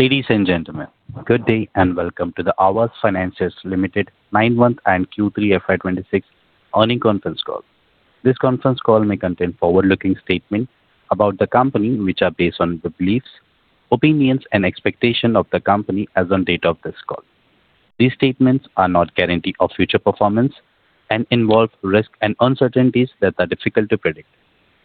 Ladies and gentlemen, good day and welcome to the Aavas Financiers Limited 9-month and Q3 FY26 earnings conference call. This conference call may contain forward-looking statements about the company, which are based on the beliefs, opinions, and expectations of the company as on the date of this call. These statements are not a guarantee of future performance and involve risks and uncertainties that are difficult to predict.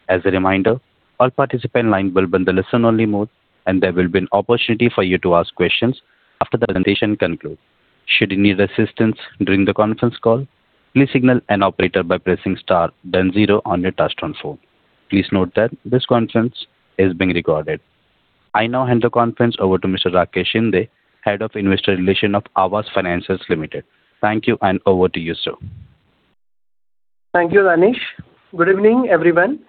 As a reminder, all participants on the line will be in the listen-only mode, and there will be an opportunity for you to ask questions after the presentation concludes. Should you need assistance during the conference call, please signal an operator by pressing * then 0 on your touchscreen phone. Please note that this conference is being recorded. I now hand the conference over to Mr. Rakesh Shinde, Head of Investor Relations of Aavas Financiers Limited. Thank you, and over to you, sir. Thank you, Danish. Good evening, everyone.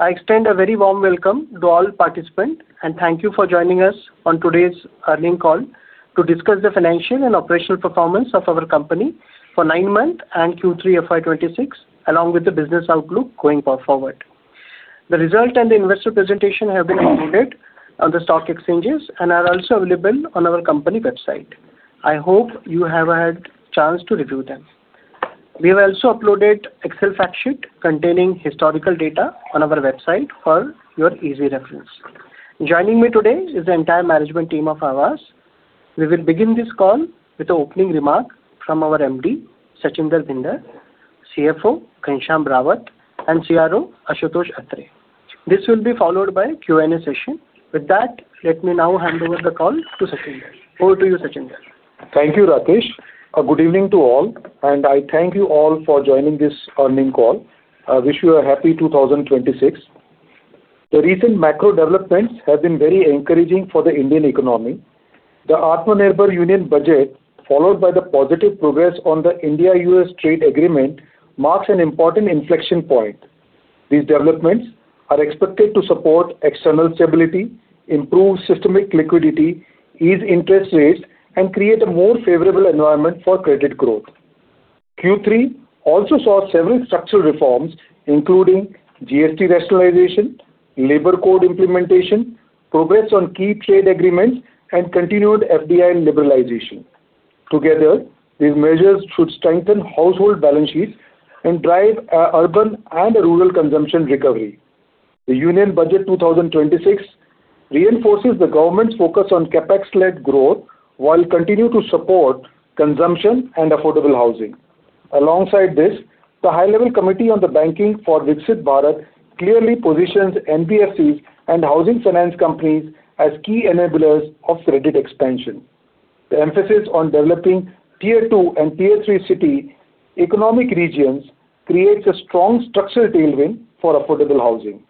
I extend a very warm welcome to all participants, and thank you for joining us on today's earnings call to discuss the financial and operational performance of our company for 9 months and Q3 FY 2026, along with the business outlook going forward. The results and the investor presentation have been uploaded on the stock exchanges and are also available on our company website. I hope you have had a chance to review them. We have also uploaded an Excel fact sheet containing historical data on our website for your easy reference. Joining me today is the entire management team of Aavas. We will begin this call with an opening remark from our MD, Sachinder Bhinder, CFO, Ghanshyam Rawat, and CRO, Ashutosh Atre. This will be followed by a Q&A session. With that, let me now hand over the call to Sachinder. Over to you, Sachinder. Thank you, Rakesh. Good evening to all, and I thank you all for joining this earnings call. I wish you a happy 2026. The recent macro developments have been very encouraging for the Indian economy. The Atmanirbhar Union Budget, followed by the positive progress on the India-U.S. trade agreement, marks an important inflection point. These developments are expected to support external stability, improve systemic liquidity, ease interest rates, and create a more favorable environment for credit growth. Q3 also saw several structural reforms, including GST rationalization, labor code implementation, progress on key trade agreements, and continued FDI liberalization. Together, these measures should strengthen household balance sheets and drive urban and rural consumption recovery. The Union Budget 2026 reinforces the government's focus on CapEx-led growth while continuing to support consumption and affordable housing. The High Level Committee on the Banking for Viksit Bharat clearly positions NBFCs and housing finance companies as key enablers of credit expansion. The emphasis on developing Tier 2 and Tier 3 city economic regions creates a strong structural tailwind for affordable housing.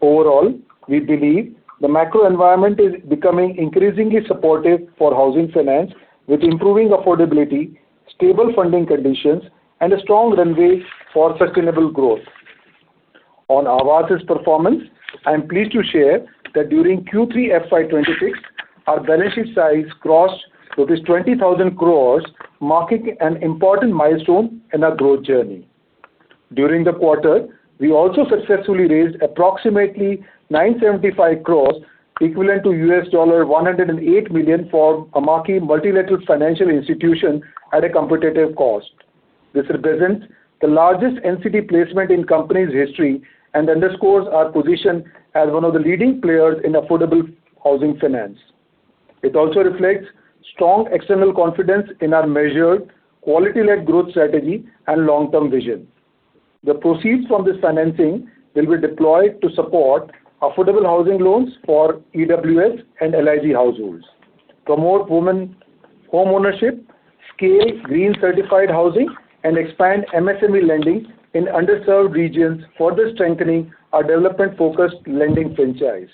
Overall, we believe the macro environment is becoming increasingly supportive for housing finance, with improving affordability, stable funding conditions, and a strong runway for sustainable growth. On Aavas' performance, I am pleased to share that during Q3 FY 2026, our balance sheet size crossed 20,000 crore, marking an important milestone in our growth journey. During the quarter, we also successfully raised approximately 975 crore, equivalent to $108 million, for a multilateral financial institution at a competitive cost. This represents the largest NCD placement in the company's history and underscores our position as one of the leading players in affordable housing finance. It also reflects strong external confidence in our measured, quality-led growth strategy and long-term vision. The proceeds from this financing will be deployed to support affordable housing loans for EWS and LIG households, promote homeownership, scale green certified housing, and expand MSME lending in underserved regions for the strengthening of our development-focused lending franchise.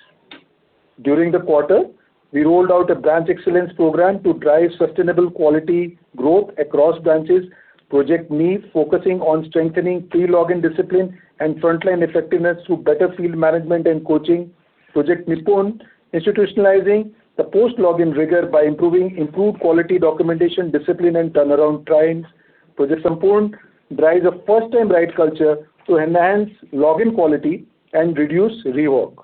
During the quarter, we rolled out a Branch Excellence Program to drive sustainable quality growth across branches, Project Neev focusing on strengthening pre-login discipline and frontline effectiveness through better field management and coaching, Project NIPUN institutionalizing the post-login rigor by improving quality documentation discipline and turnaround times, Project Sampoorna drives a first-time right culture to enhance login quality and reduce rework,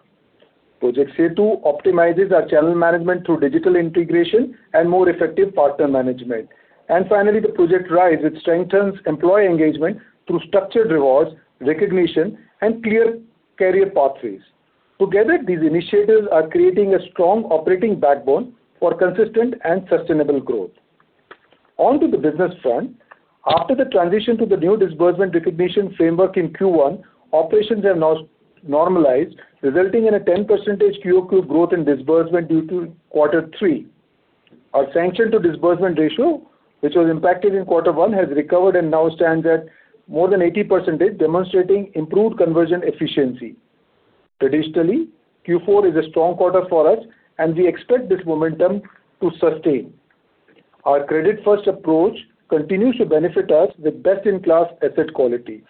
Project Setu optimizes our channel management through digital integration and more effective partner management, and finally, the Project Rise, which strengthens employee engagement through structured rewards, recognition, and clear career pathways. Together, these initiatives are creating a strong operating backbone for consistent and sustainable growth. Onto the business front, after the transition to the new disbursement recognition framework in Q1, operations have now normalized, resulting in a 10% QoQ growth in disbursement due to Q3. Our sanction-to-disbursement ratio, which was impacted in Q1, has recovered and now stands at more than 80%, demonstrating improved conversion efficiency. Traditionally, Q4 is a strong quarter for us, and we expect this momentum to sustain. Our credit-first approach continues to benefit us with best-in-class asset quality.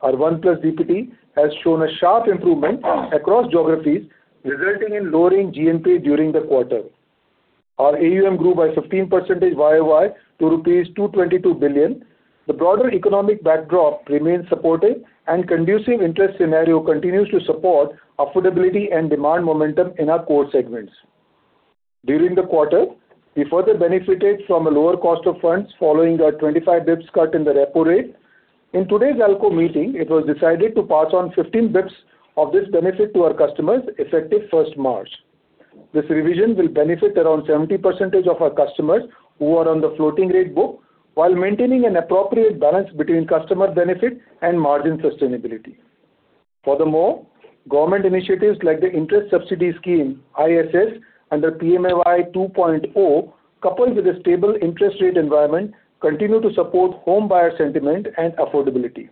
Our 1+ DPD has shown a sharp improvement across geographies, resulting in lowering GNPA during the quarter. Our AUM grew by 15% YOY to rupees 222 billion. The broader economic backdrop remains supportive, and the conducive interest scenario continues to support affordability and demand momentum in our core segments. During the quarter, we further benefited from a lower cost of funds following a 25 basis points cut in the repo rate. In today's ALCO meeting, it was decided to pass on 15 basis points of this benefit to our customers effective March 1. This revision will benefit around 70% of our customers who are on the floating-rate book while maintaining an appropriate balance between customer benefit and margin sustainability. Furthermore, government initiatives like the interest subsidy scheme ISS under PMAY 2.0, coupled with a stable interest rate environment, continue to support home buyer sentiment and affordability.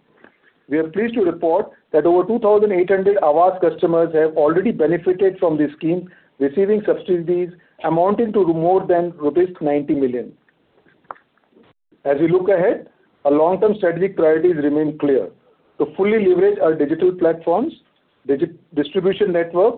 We are pleased to report that over 2,800 Aavas customers have already benefited from this scheme, receiving subsidies amounting to more than rupees 90 million. As we look ahead, our long-term strategic priorities remain clear: to fully leverage our digital platforms, distribution network,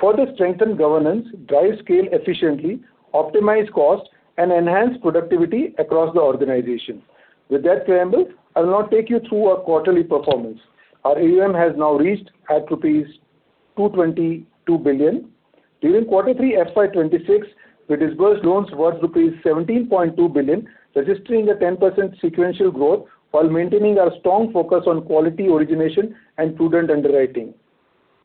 further strengthen governance, drive scale efficiently, optimize cost, and enhance productivity across the organization. With that preamble, I will now take you through our quarterly performance. Our AUM has now reached 222 billion rupees. During Q3 FY 2026, we disbursed loans worth rupees 17.2 billion, registering a 10% sequential growth while maintaining our strong focus on quality origination and prudent underwriting.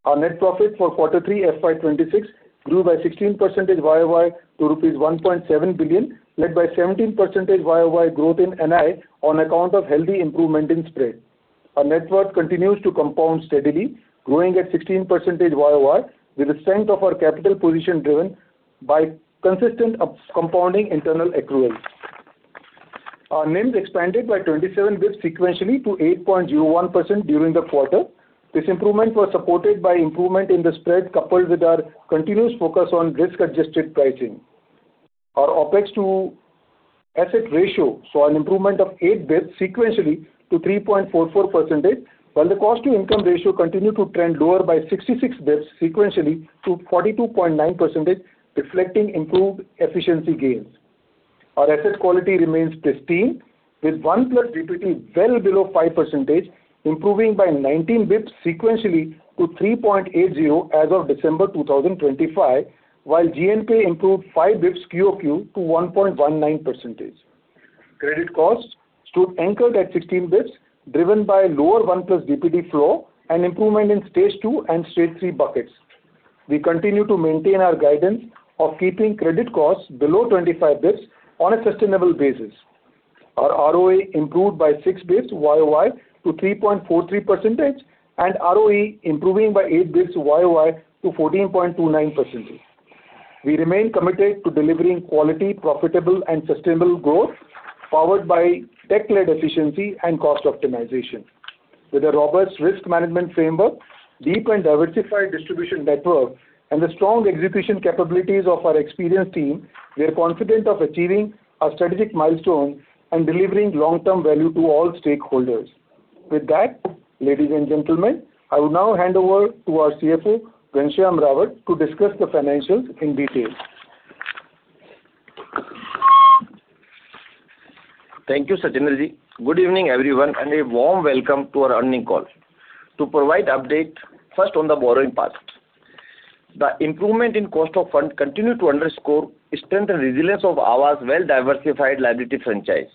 Our net profit for Q3 FY 2026 grew by 16% YOY to rupees 1.7 billion, led by 17% YOY growth in NII on account of healthy improvement in spread. Our net worth continues to compound steadily, growing at 16% YOY with the strength of our capital position driven by consistent compounding internal accruals. Our NIMs expanded by 27 basis points sequentially to 8.01% during the quarter. This improvement was supported by improvement in the spread coupled with our continuous focus on risk-adjusted pricing. Our OpEx-to-asset ratio saw an improvement of 8 basis points sequentially to 3.44%, while the cost-to-income ratio continued to trend lower by 66 basis points sequentially to 42.9%, reflecting improved efficiency gains. Our asset quality remains pristine, with 1+ DPD well below 5%, improving by 19 basis points sequentially to 3.80% as of December 2025, while GNPA improved 5 basis points QoQ to 1.19%. Credit costs stood anchored at 16 basis points, driven by lower 1+ DPD flow and improvement in Stage 2 and Stage 3 buckets. We continue to maintain our guidance of keeping credit costs below 25 basis points on a sustainable basis. Our ROA improved by 6 basis points YOY to 3.43%, and ROE improving by 8 basis points YOY to 14.29%. We remain committed to delivering quality, profitable, and sustainable growth powered by tech-led efficiency and cost optimization. With a robust risk management framework, deep and diversified distribution network, and the strong execution capabilities of our experienced team, we are confident of achieving our strategic milestones and delivering long-term value to all stakeholders. With that, ladies and gentlemen, I will now hand over to our CFO, Ghanshyam Rawat, to discuss the financials in detail. Thank you, Sachinder. Good evening, everyone, and a warm welcome to our earnings call. To provide an update first on the borrowing part, the improvement in cost of funds continues to underscore the strength and resilience of Aavas' well-diversified liability franchise.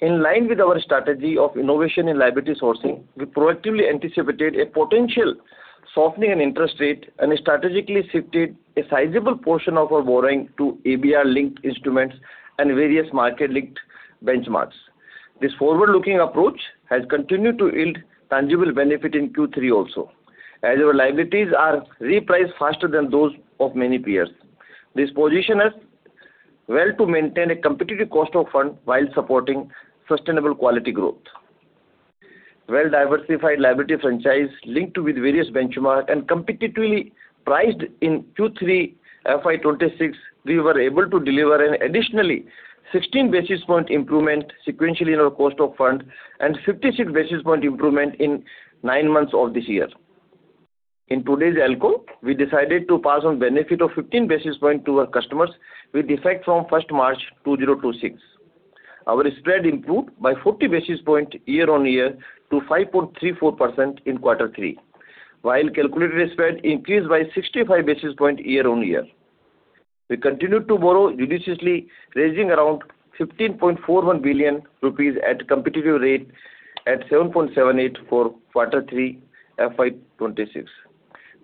In line with our strategy of innovation in liability sourcing, we proactively anticipated a potential softening in interest rates and strategically shifted a sizable portion of our borrowing to EBR-linked instruments and various market-linked benchmarks. This forward-looking approach has continued to yield tangible benefits in Q3 also, as our liabilities are repriced faster than those of many peers. This positioned us well to maintain a competitive cost of funds while supporting sustainable quality growth. Well-diversified liability franchise linked with various benchmarks and competitively priced in Q3 FY 2026, we were able to deliver an additional 16 basis points improvement sequentially in our cost of funds and 56 basis points improvement in nine months of this year. In today's ALCO, we decided to pass on the benefit of 15 basis points to our customers with effect from 1st March 2026. Our spread improved by 40 basis points year-on-year to 5.34% in Q3, while the calculated spread increased by 65 basis points year-on-year. We continued to borrow judiciously, raising around 15.41 billion rupees at a competitive rate at 7.78% for Q3 FY 2026.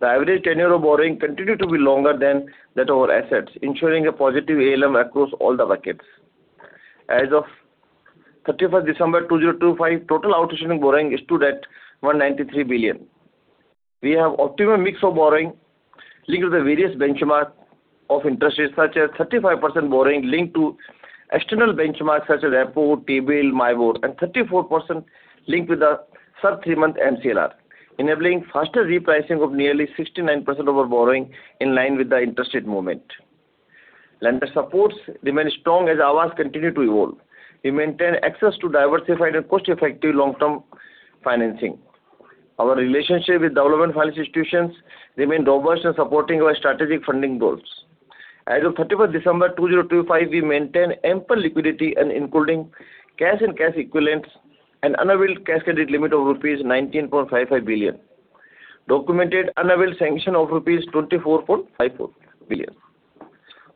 The average tenure of borrowing continued to be longer than that of our assets, ensuring a positive ALM across all the buckets. As of 31st December 2025, total outstanding borrowing stood at INR 193 billion. We have an optimum mix of borrowing linked with the various benchmarks of interest rates, such as 35% borrowing linked to external benchmarks such as Repo, T-Bill, MIBOR, and 34% linked with the sub-three-month MCLR, enabling faster repricing of nearly 69% of our borrowing in line with the interest rate movement. Lender supports remain strong as Aavas continues to evolve. We maintain access to diversified and cost-effective long-term financing. Our relationship with development finance institutions remains robust and supporting our strategic funding goals. As of 31st December 2025, we maintain ample liquidity, including cash and cash equivalents, and an unavailed cash credit limit of rupees 19.55 billion, documented unavailed sanction of rupees 24.54 billion.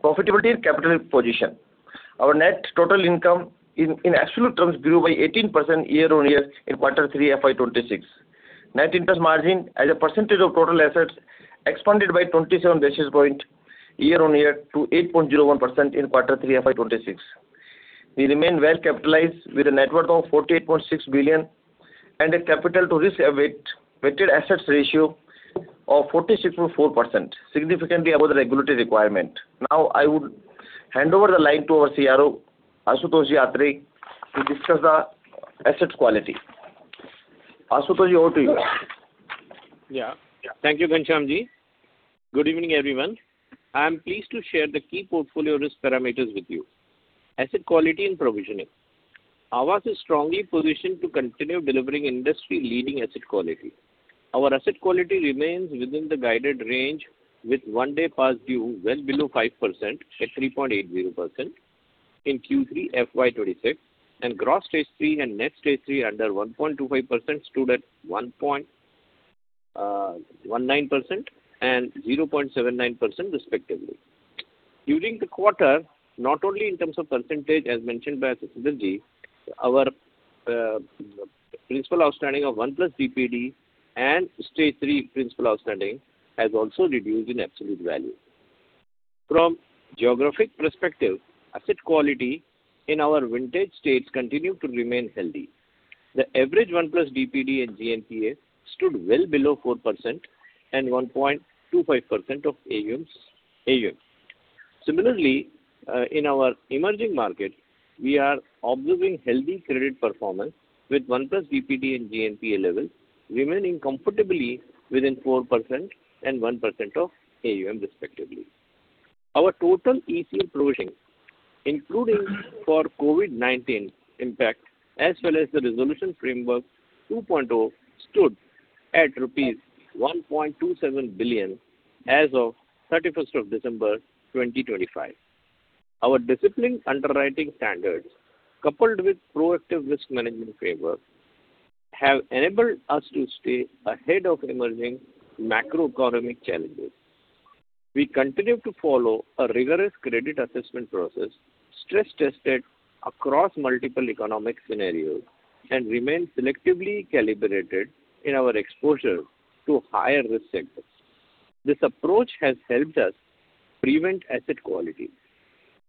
Profitability and capital position: our net total income in absolute terms grew by 18% year-on-year in Q3 FY 2026. Net interest margin, as a percentage of total assets, expanded by 27 basis points year-on-year to 8.01% in Q3 FY2026. We remain well-capitalized with a net worth of 48.6 billion and a capital-to-risk-weighted assets ratio of 46.4%, significantly above the regulatory requirement. Now, I would hand over the line to our CRO, Ashutosh Atre, to discuss the asset quality. Ashutosh, over to you. Yeah. Thank you, Ghanshyam. Good evening, everyone. I am pleased to share the key portfolio risk parameters with you. Asset quality and provisioning: Aavas is strongly positioned to continue delivering industry-leading asset quality. Our asset quality remains within the guided range, with 1+ DPD well below 5% at 3.80% in Q3 FY 2026, and gross Stage 3 and net Stage 3 under 1.25% stood at 1.19% and 0.79%, respectively. During the quarter, not only in terms of percentage, as mentioned by Sachinder, our principal outstanding of 1+ DPD and Stage 3 principal outstanding has also reduced in absolute value. From a geographic perspective, asset quality in our vintage states continued to remain healthy. The average 1+ DPD and GS3 stood well below 4% and 1.25% of AUMs. Similarly, in our emerging markets, we are observing healthy credit performance with 1+ DPD and GNPA levels remaining comfortably within 4% and 1% of AUM, respectively. Our total ECL provisioning, including for COVID-19 impact as well as the resolution framework 2.0, stood at rupees 1.27 billion as of 31st December 2025. Our disciplined underwriting standards, coupled with a proactive risk management framework, have enabled us to stay ahead of emerging macroeconomic challenges. We continue to follow a rigorous credit assessment process, stress-tested across multiple economic scenarios, and remain selectively calibrated in our exposure to higher-risk sectors. This approach has helped us protect asset quality,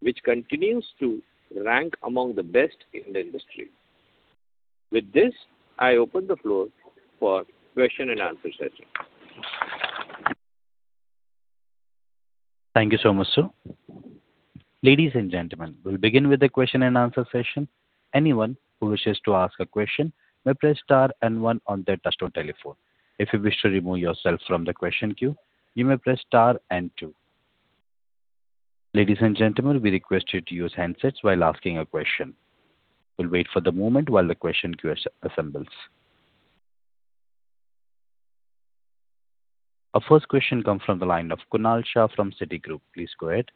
which continues to rank among the best in the industry. With this, I open the floor for a question-and-answer session. Thank you so much, sir. Ladies and gentlemen, we'll begin with a question-and-answer session. Anyone who wishes to ask a question may press star and one on their touchscreen telephone. If you wish to remove yourself from the question queue, you may press star and two. Ladies and gentlemen, we request you to use handsets while asking a question. We'll wait for the moment while the question queue assembles. Our first question comes from the line of Kunal Shah from Citigroup. Please go ahead.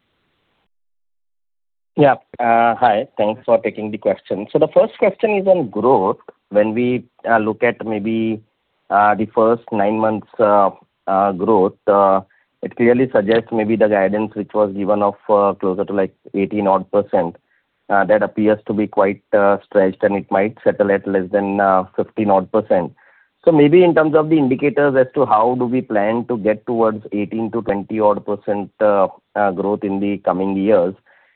Yeah. Hi. Thanks for taking the question. So the first question is on growth. When we look at maybe the first nine months' growth, it clearly suggests maybe the guidance, which was given of closer to like odd 18%, that appears to be quite stretched, and it might settle at less than odd 15%. So maybe in terms of the indicators as to how do we plan to get towards odd 18%-20% growth in the coming years.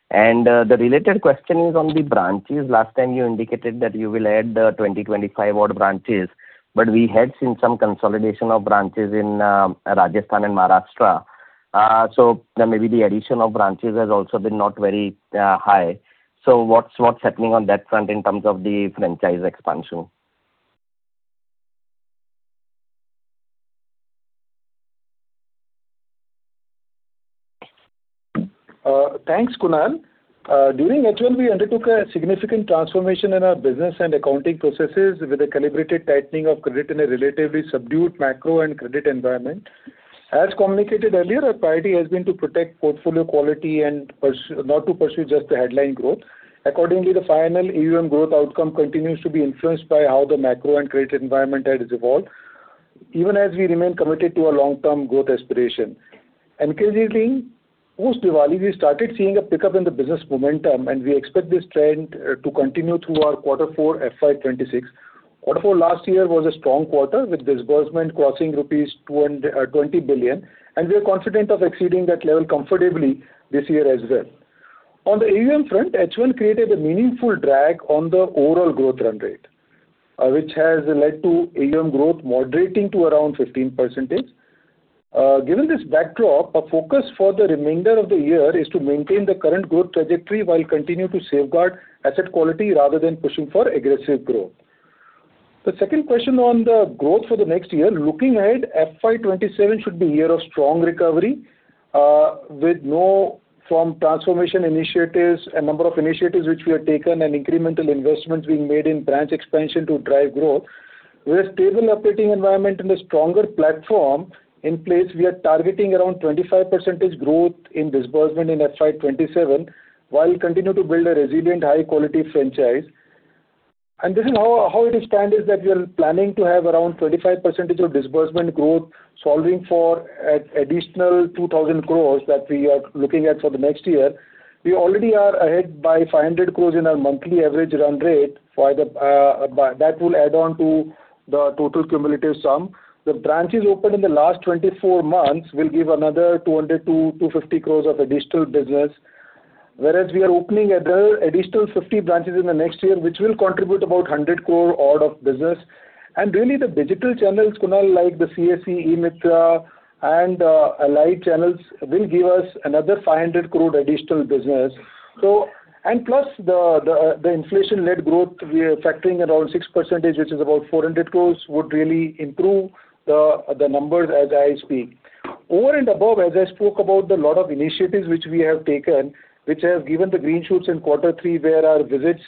And the related question is on the branches. Last time, you indicated that you will add 20-25 odd branches, but we had seen some consolidation of branches in Rajasthan and Maharashtra. So maybe the addition of branches has also been not very high. So what's happening on that front in terms of the franchise expansion? Thanks, Kunal. During H1, we undertook a significant transformation in our business and accounting processes with a calibrated tightening of credit in a relatively subdued macro and credit environment. As communicated earlier, our priority has been to protect portfolio quality and not to pursue just the headline growth. Accordingly, the final AUM growth outcome continues to be influenced by how the macro and credit environment has evolved, even as we remain committed to our long-term growth aspiration. And closely, post-Diwali, we started seeing a pickup in the business momentum, and we expect this trend to continue through our Q4 FY 2026. Q4 last year was a strong quarter with disbursement crossing rupees 20 billion, and we are confident of exceeding that level comfortably this year as well. On the AUM front, H1 created a meaningful drag on the overall growth run rate, which has led to AUM growth moderating to around 15%. Given this backdrop, our focus for the remainder of the year is to maintain the current growth trajectory while continuing to safeguard asset quality rather than pushing for aggressive growth. The second question on the growth for the next year: looking ahead, FY 2027 should be a year of strong recovery with no form transformation initiatives, a number of initiatives which we have taken, and incremental investments being made in branch expansion to drive growth. With a stable operating environment and a stronger platform in place, we are targeting around 25% growth in disbursement in FY 2027 while continuing to build a resilient, high-quality franchise. This is how it stands is that we are planning to have around 25% of disbursement growth, solving for an additional 2,000 crores that we are looking at for the next year. We already are ahead by 500 crores in our monthly average run rate. That will add on to the total cumulative sum. The branches opened in the last 24 months will give another 200 crores-250 crores of additional business, whereas we are opening another additional 50 branches in the next year, which will contribute about 100 crore-odd of business. And really, the digital channels, Kunal, like the CAC, e-Mitra, and Allied channels, will give us another 500 crore additional business. And plus, the inflation-led growth factoring around 6%, which is about 400 crores, would really improve the numbers as I speak. Over and above, as I spoke about, a lot of initiatives which we have taken, which have given the green shoots in Q3, where our visits,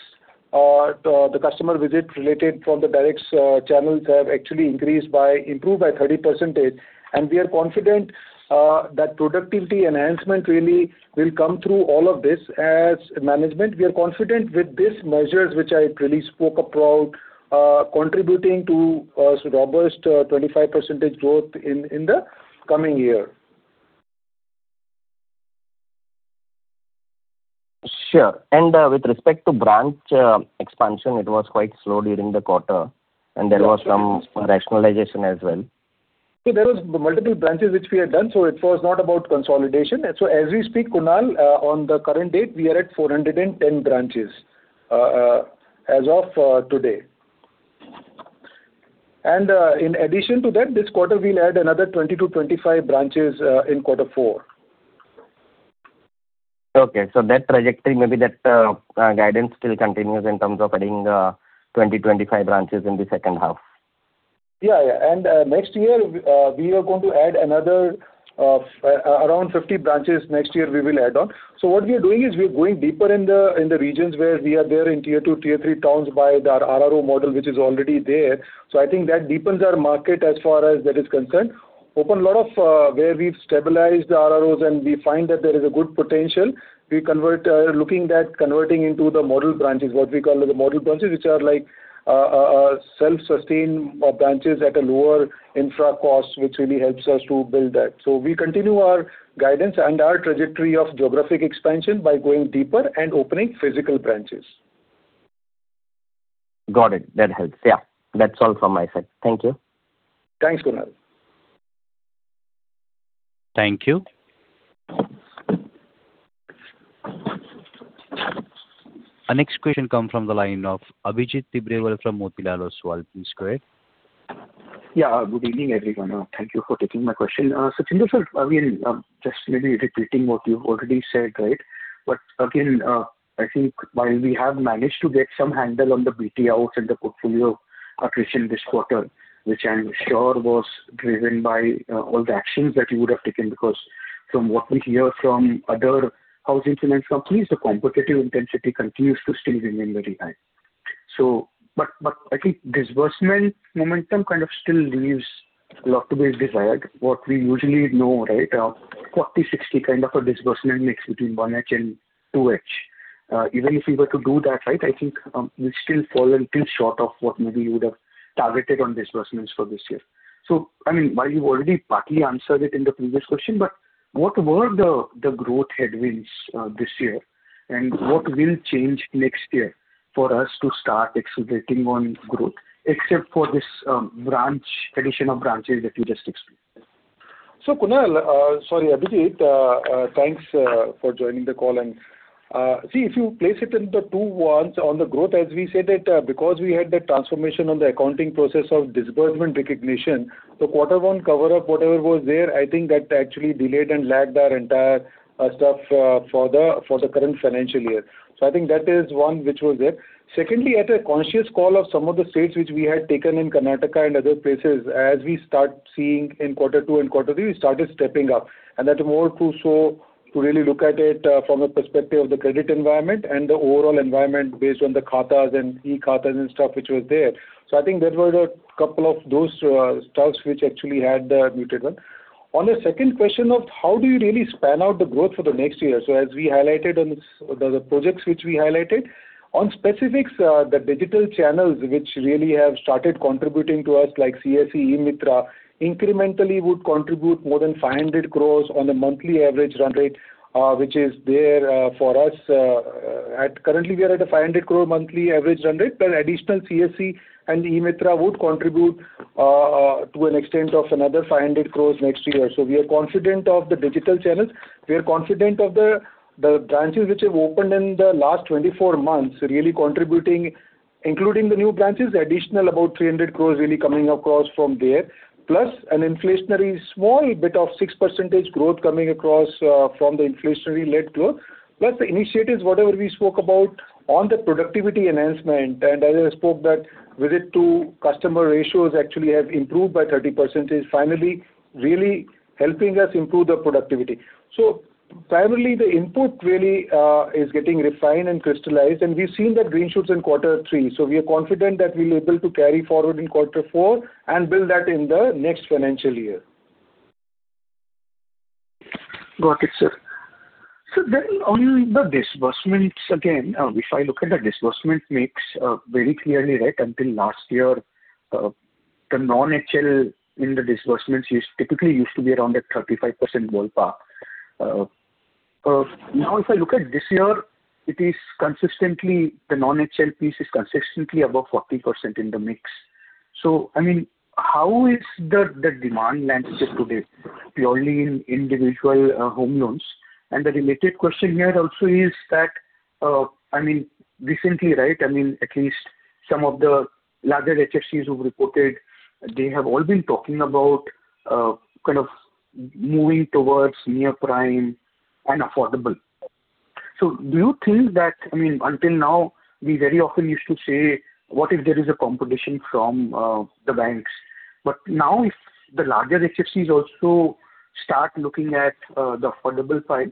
the customer visit related from the direct channels, have actually increased by improved by 30%. We are confident that productivity enhancement really will come through all of this as management. We are confident with these measures, which I really spoke about, contributing to robust 25% growth in the coming year. Sure. And with respect to branch expansion, it was quite slow during the quarter, and there was some rationalization as well. So there were multiple branches which we had done. So it was not about consolidation. So as we speak, Kunal, on the current date, we are at 410 branches as of today. In addition to that, this quarter, we'll add another 20-25 branches in Q4. Okay. So that trajectory, maybe that guidance still continues in terms of adding 20-25 branches in the second half? Yeah, yeah. Next year, we are going to add another around 50 branches next year we will add on. So what we are doing is we are going deeper in the regions where we are there in Tier 2, Tier 3 towns by our RRO model, which is already there. So I think that deepens our market as far as that is concerned. Open a lot of where we've stabilized the RROs, and we find that there is a good potential. We are looking at converting into the model branches, what we call the model branches, which are like self-sustained branches at a lower infra cost, which really helps us to build that. So we continue our guidance and our trajectory of geographic expansion by going deeper and opening physical branches. Got it. That helps. Yeah. That's all from my side. Thank you. Thanks, Kunal. Thank you. Our next question comes from the line of Abhijit Tibrewal from Motilal Oswal. Please go ahead. Yeah. Good evening, everyone. Thank you for taking my question. Sachinder sir, again, just maybe repeating what you've already said, right? But again, I think while we have managed to get some handle on the BTOs and the portfolio accretion this quarter, which I'm sure was driven by all the actions that you would have taken, because from what we hear from other housing finance companies, the competitive intensity continues to still remain very high. But I think disbursement momentum kind of still leaves a lot to be desired. What we usually know, right, 40/60 kind of a disbursement mix between 1H and 2H. Even if we were to do that, right, I think we still fall a little short of what maybe you would have targeted on disbursements for this year. I mean, while you've already partly answered it in the previous question, but what were the growth headwinds this year, and what will change next year for us to start accelerating on growth except for this addition of branches that you just explained? So Kunal, sorry, Abhijit, thanks for joining the call. And see, if you place it in the 21% on the growth, as we said it, because we had the transformation on the accounting process of disbursement recognition, the quarter one cover-up, whatever was there, I think that actually delayed and lagged our entire stuff for the current financial year. So I think that is one which was there. Secondly, at a conscious call of some of the states which we had taken in Karnataka and other places, as we start seeing in Q2 and Q3, we started stepping up. And that more true so to really look at it from a perspective of the credit environment and the overall environment based on the Khatas and e-Khatas and stuff which was there. So I think there were a couple of those stuffs which actually had the muted one. On the second question of how do you really span out the growth for the next year? So as we highlighted on the projects which we highlighted, on specifics, the digital channels which really have started contributing to us, like CAC, e-Mitra, incrementally would contribute more than 500 crore on a monthly average run rate, which is there for us. Currently, we are at a 500 crore monthly average run rate, but additional CAC and e-Mitra would contribute to an extent of another 500 crore next year. So we are confident of the digital channels. We are confident of the branches which have opened in the last 24 months, really contributing, including the new branches, additional about 300 crore really coming across from there, plus an inflationary small bit of 6% growth coming across from the inflationary-led growth, plus the initiatives, whatever we spoke about on the productivity enhancement. As I spoke, that visit to customer ratios actually have improved by 30%, finally really helping us improve the productivity. So primarily, the input really is getting refined and crystallized, and we've seen that green shoots in Q3. So we are confident that we'll be able to carry forward in Q4 and build that in the next financial year. Got it, sir. So then on the disbursements, again, if I look at the disbursements mix very clearly, right, until last year, the non-HL in the disbursements typically used to be around a 35% ballpark. Now, if I look at this year, it is consistently the non-HL piece is consistently above 40% in the mix. So I mean, how is the demand landscape today purely in individual home loans? And the related question here also is that, I mean, recently, right, I mean, at least some of the larger HFCs who've reported, they have all been talking about kind of moving towards near prime and affordable. Do you think that, I mean, until now, we very often used to say, "What if there is a competition from the banks?" But now, if the larger HFCs also start looking at the affordable side,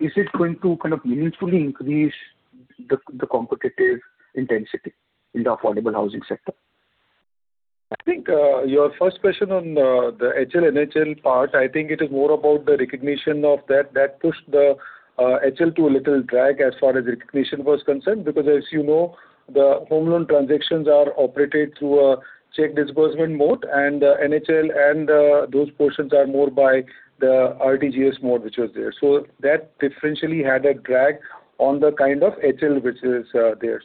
is it going to kind of meaningfully increase the competitive intensity in the affordable housing sector? I think your first question on the HL/NHL part, I think it is more about the recognition of that. That pushed the HL to a little drag as far as recognition was concerned because, as you know, the home loan transactions are operated through a check disbursement mode, and NHL and those portions are more by the RTGS mode, which was there. So that differentially had a drag on the kind of HL which is there.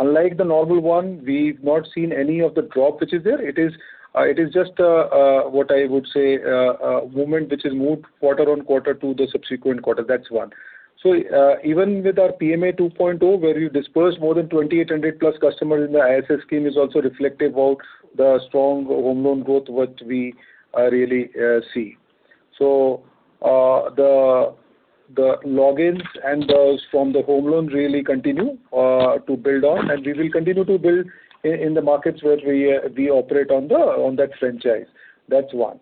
So unlike the normal one, we've not seen any of the drop which is there. It is just what I would say a movement which has moved quarter-on-quarter to the subsequent quarter. That's one. So even with our PMAY 2.0, where we've disbursed more than 2,800+ customers in the ISS scheme, is also reflective of the strong home loan growth which we really see. So the logins and those from the home loan really continue to build on, and we will continue to build in the markets where we operate on that franchise. That's one.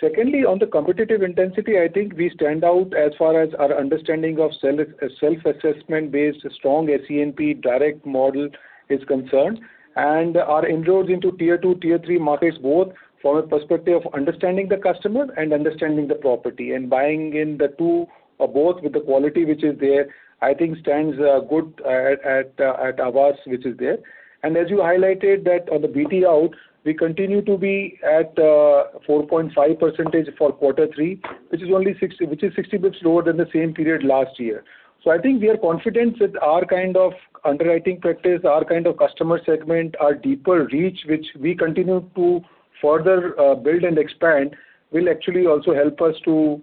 Secondly, on the competitive intensity, I think we stand out as far as our understanding of self-assessment-based strong SENP direct model is concerned and our inroads into Tier 2, Tier 3 markets, both from a perspective of understanding the customer and understanding the property and buying in the two or both with the quality which is there, I think stands good at Aavas, which is there. And as you highlighted that on the BTO, we continue to be at 4.5% for Q3, which is only 60 basis points lower than the same period last year. So I think we are confident that our kind of underwriting practice, our kind of customer segment, our deeper reach, which we continue to further build and expand, will actually also help us to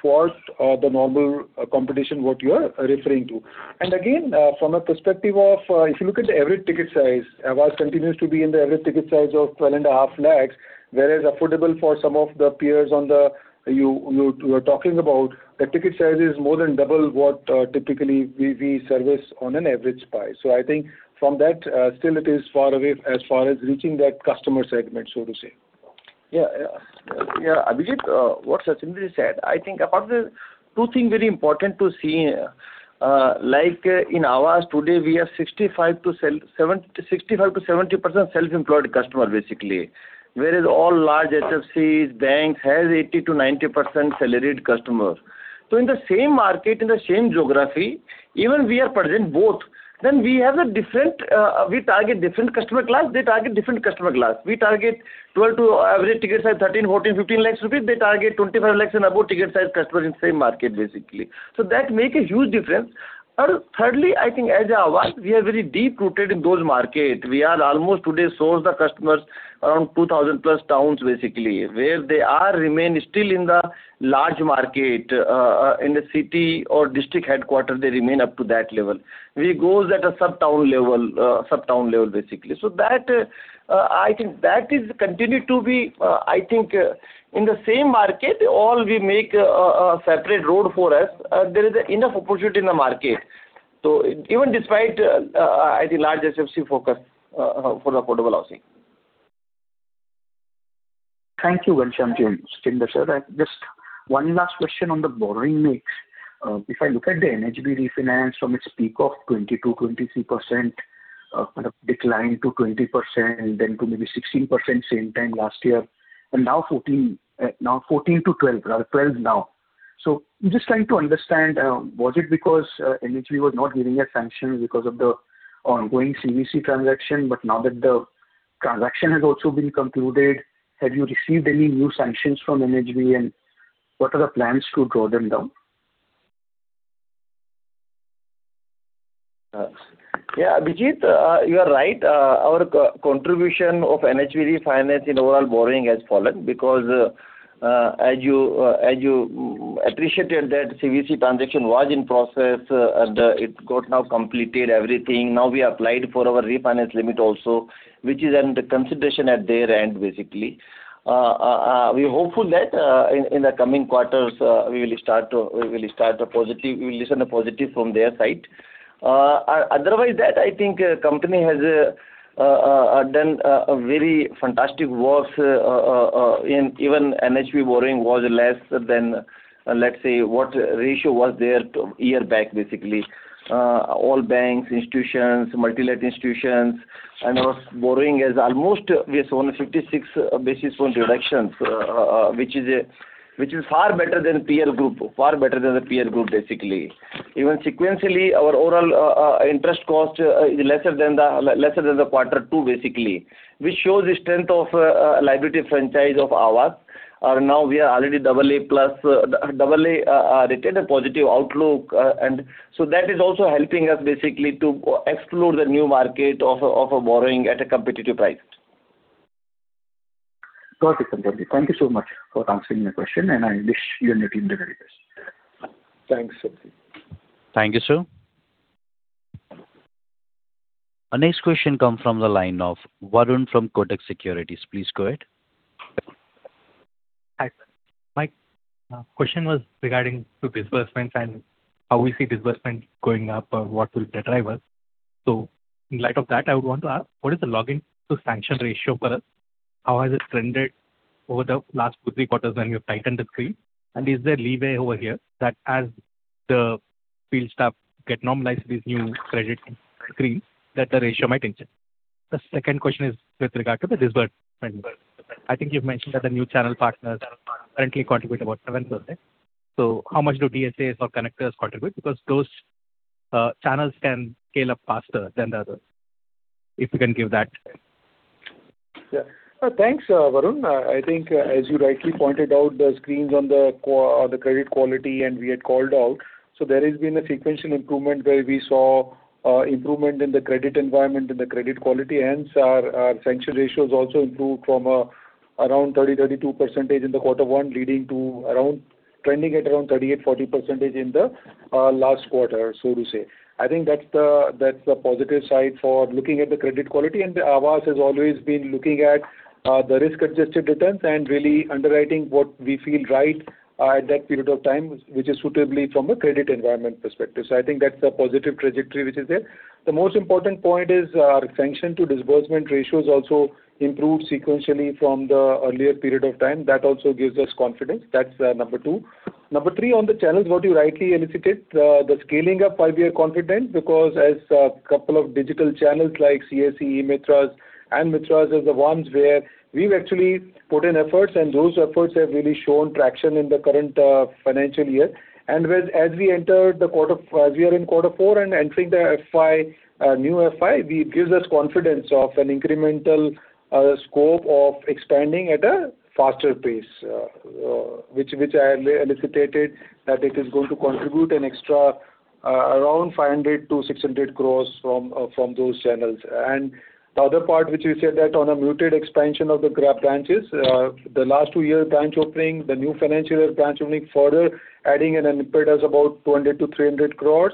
thwart the normal competition, what you are referring to. And again, from a perspective of if you look at the average ticket size, Aavas continues to be in the average ticket size of 12.5 lakh, whereas for some of the peers that you are talking about, the ticket size is more than double what typically we service on an average basis. So I think from that, still, it is far away as far as reaching that customer segment, so to say. Yeah, yeah, yeah. Abhijit, what Sachinder said, I think apart from this, two things very important to see. Like in Aavas today, we have 65%-70% self-employed customer, basically, whereas all large HFCs, banks, have 80%-90% salaried customers. So in the same market, in the same geography, even we are present both, then we have a different we target different customer class. They target different customer class. We target 12 lakhs to average, ticket size 13 lakhs, 14 lakhs, 15 lakhs rupees. They target 25 lakhs and above ticket size customers in the same market, basically. So that makes a huge difference. And thirdly, I think as Aavas, we are very deep-rooted in those markets. We are almost today source the customers around 2,000+ towns, basically, where they remain still in the large market in the city or district headquarters. They remain up to that level. We go at a sub-town level, basically. So I think that is continued to be, I think, in the same market all we make a separate road for us. There is enough opportunity in the market. So even despite, I think, large HFC focus for the affordable housing. Thank you, Ghanshyam, sir. Sachinder sir, just one last question on the borrowing mix. If I look at the NHB refinance from its peak of 20%-23%, kind of decline to 20%, then to maybe 16% same time last year, and now 14%-12%, rather 12% now. So I'm just trying to understand, was it because NHB was not giving you sanctions because of the ongoing CVC transaction? But now that the transaction has also been concluded, have you received any new sanctions from NHB, and what are the plans to draw them down? Yeah, Abhijit, you are right. Our contribution of NHB refinance in overall borrowing has fallen because as you appreciated, that CVC transaction was in process, and it got now completed everything. Now we applied for our refinance limit also, which is under consideration at their end, basically. We are hopeful that in the coming quarters, we will start to we will start a positive we will listen to positive from their side. Otherwise, I think the company has done a very fantastic work, and even NHB borrowing was less than, let's say, what ratio was there a year back, basically. All banks, institutions, multilateral institutions, and our borrowing has almost we have seen 56 basis point reductions, which is far better than peer group, far better than the peer group, basically. Even sequentially, our overall interest cost is lesser than the quarter two, basically, which shows the strength of liability franchise of Aavas. Now, we are already AA+, AA rated, a positive outlook. And so that is also helping us, basically, to explore the new market of borrowing at a competitive price. Got it, Sachinder. Thank you so much for answering my question, and I wish you and your team the very best. Thanks, Abhijit. Thank you, sir. Our next question comes from the line of Varun from Kotak Securities. Please go ahead. Hi, sir. My question was regarding to disbursements and how we see disbursements going up or what will deter us. So in light of that, I would want to ask, what is the login to sanction ratio for us? How has it trended over the last 2-3 quarters when we have tightened the screen? And is there leeway over here that as the field staff get normalized to these new credit screens, that the ratio might increase? The second question is with regard to the disbursement. I think you've mentioned that the new channel partners currently contribute about 7%. So how much do DSAs or connectors contribute? Because those channels can scale up faster than the others, if you can give that. Yeah. Thanks, Varun. I think as you rightly pointed out, the screens on the credit quality, and we had called out. So there has been a sequential improvement where we saw improvement in the credit environment and the credit quality. Hence, our sanction ratios also improved from around 30%-32% in quarter one, leading to around trending at around 38%-40% in the last quarter, so to say. I think that's the positive side for looking at the credit quality. And Aavas has always been looking at the risk-adjusted returns and really underwriting what we feel right at that period of time, which is suitably from a credit environment perspective. So I think that's a positive trajectory which is there. The most important point is our sanction to disbursement ratios also improved sequentially from the earlier period of time. That also gives us confidence. That's number two. Number three, on the channels, what you rightly elicited, the scaling up, I'll be confident because as a couple of digital channels like CAC, e-Mitras, and Mitras are the ones where we've actually put in efforts, and those efforts have really shown traction in the current financial year. As we entered the quarter as we are in quarter four and entering the new FY, it gives us confidence of an incremental scope of expanding at a faster pace, which I elicited that it is going to contribute an extra around 500-600 crores from those channels. The other part, which you said that on a muted expansion of the our branches, the last two-year branch opening, the new financial year branch opening, further adding an impetus of about 200 crore-300 crore,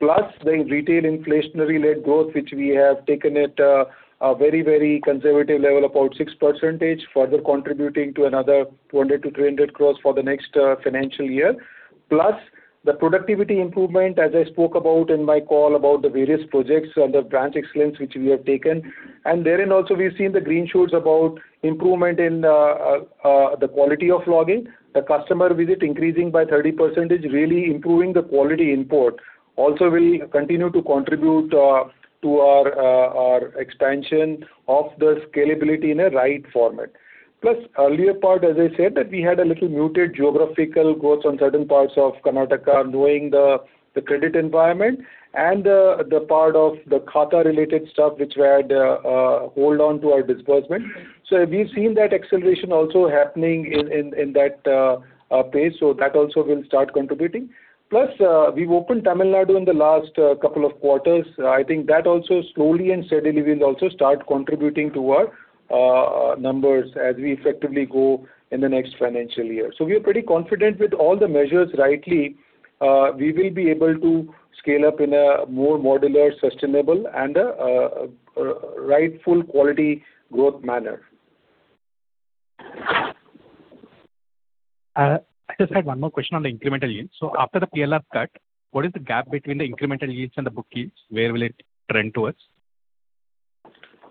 plus the rural inflationary-led growth, which we have taken at a very, very conservative level, about 6%, further contributing to another 200 crore-300 crore for the next financial year, plus the productivity improvement, as I spoke about in my call about the various projects under branch excellence which we have taken. Therein also, we've seen the green shoots of improvement in the quality of login, the customer visit increasing by 30%, really improving the quality input, also will continue to contribute to our expansion of the scalability in a right format. Plus, earlier part, as I said, that we had a little muted geographical growth on certain parts of Karnataka, knowing the credit environment, and the part of the Khata-related stuff which we had hold on to our disbursement. So we've seen that acceleration also happening in that pace. So that also will start contributing. Plus, we've opened Tamil Nadu in the last couple of quarters. I think that also slowly and steadily will also start contributing to our numbers as we effectively go in the next financial year. So we are pretty confident with all the measures. Rightly, we will be able to scale up in a more modular, sustainable, and rightful quality growth manner. I just had one more question on the incremental yield. So after the PLR cut, what is the gap between the incremental yields and the book yields? Where will it trend towards?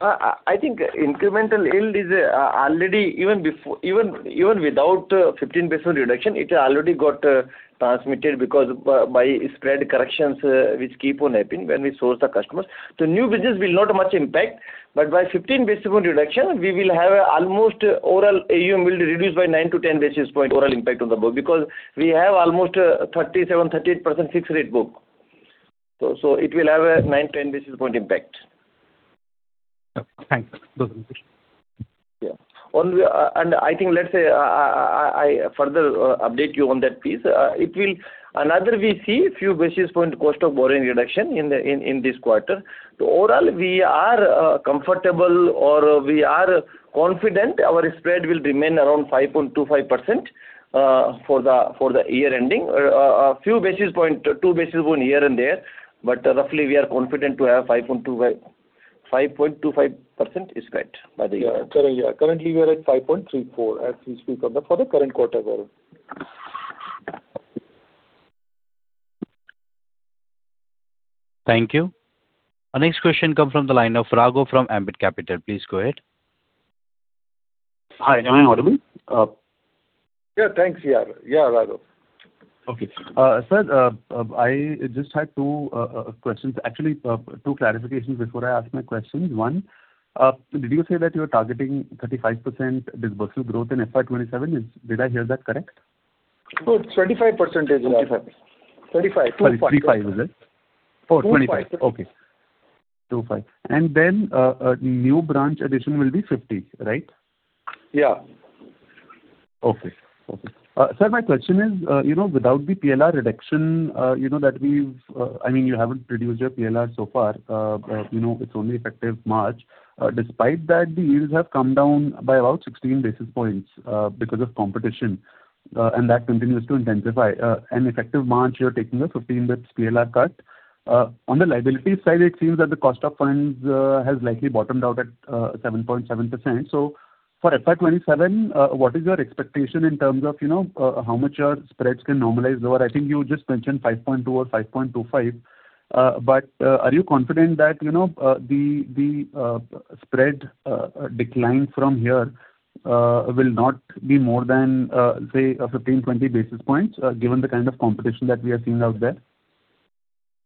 I think incremental yield is already even without 15 basis point reduction. It already got transmitted because by spread corrections which keep on happening when we source the customers. The new business will not have much impact. But by 15 basis point reduction, we will have almost overall AUM will be reduced by 9-10 basis point. Overall impact on the book because we have almost 37%-38% fixed rate book. So it will have a 9-10 basis point impact. Thanks, Ghanshyam. Yeah. And I think, let's say, I further update you on that piece. Also, we see a few basis points cost of borrowing reduction in this quarter. Overall, we are comfortable or we are confident our spread will remain around 5.25% for the year ending. A few basis points, two basis points here and there. But roughly, we are confident to have 5.25% spread by the year. Yeah, currently, we are at 5.34 as we speak for the current quarter, Varun. Thank you. Our next question comes from the line of Raghav Garg from Ambit Capital. Please go ahead. Hi. Am I audible? Yeah, thanks. Yeah, Raghav. Okay. Sir, I just had two questions, actually two clarifications before I ask my questions. One, did you say that you are targeting 35% disbursal growth in FY 2027? Did I hear that correct? 25% line. 25%. 25%. 25%, is it? Oh, 25%. 25%. Okay. 25%. Then a new branch addition will be 50, right? Yeah. Okay. Okay. Sir, my question is, without the PLR reduction that we've—I mean, you haven't reduced your PLR so far. It's only effective March. Despite that, the yields have come down by about 16 basis points because of competition, and that continues to intensify. Effective March, you're taking a 15 basis points PLR cut. On the liability side, it seems that the cost of funds has likely bottomed out at 7.7%. So for FY 2027, what is your expectation in terms of how much your spreads can normalize lower? I think you just mentioned 5.2% or 5.25%. But are you confident that the spread decline from here will not be more than, say, 15-20 basis points given the kind of competition that we are seeing out there?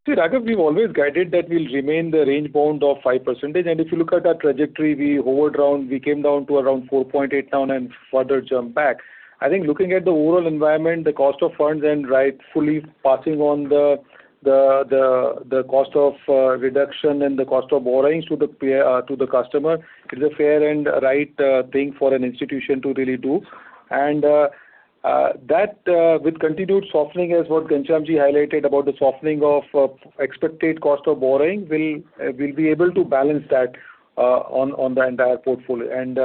See, Raghav, we've always guided that we'll remain the range bound of 5%. And if you look at our trajectory, we hovered around we came down to around 4.8% now and then further jumped back. I think looking at the overall environment, the cost of funds, and rightfully passing on the cost of reduction and the cost of borrowings to the customer, it is a fair and right thing for an institution to really do. And with continued softening, as what Ghanshyam highlighted about the softening of expected cost of borrowing, we'll be able to balance that on the entire portfolio. And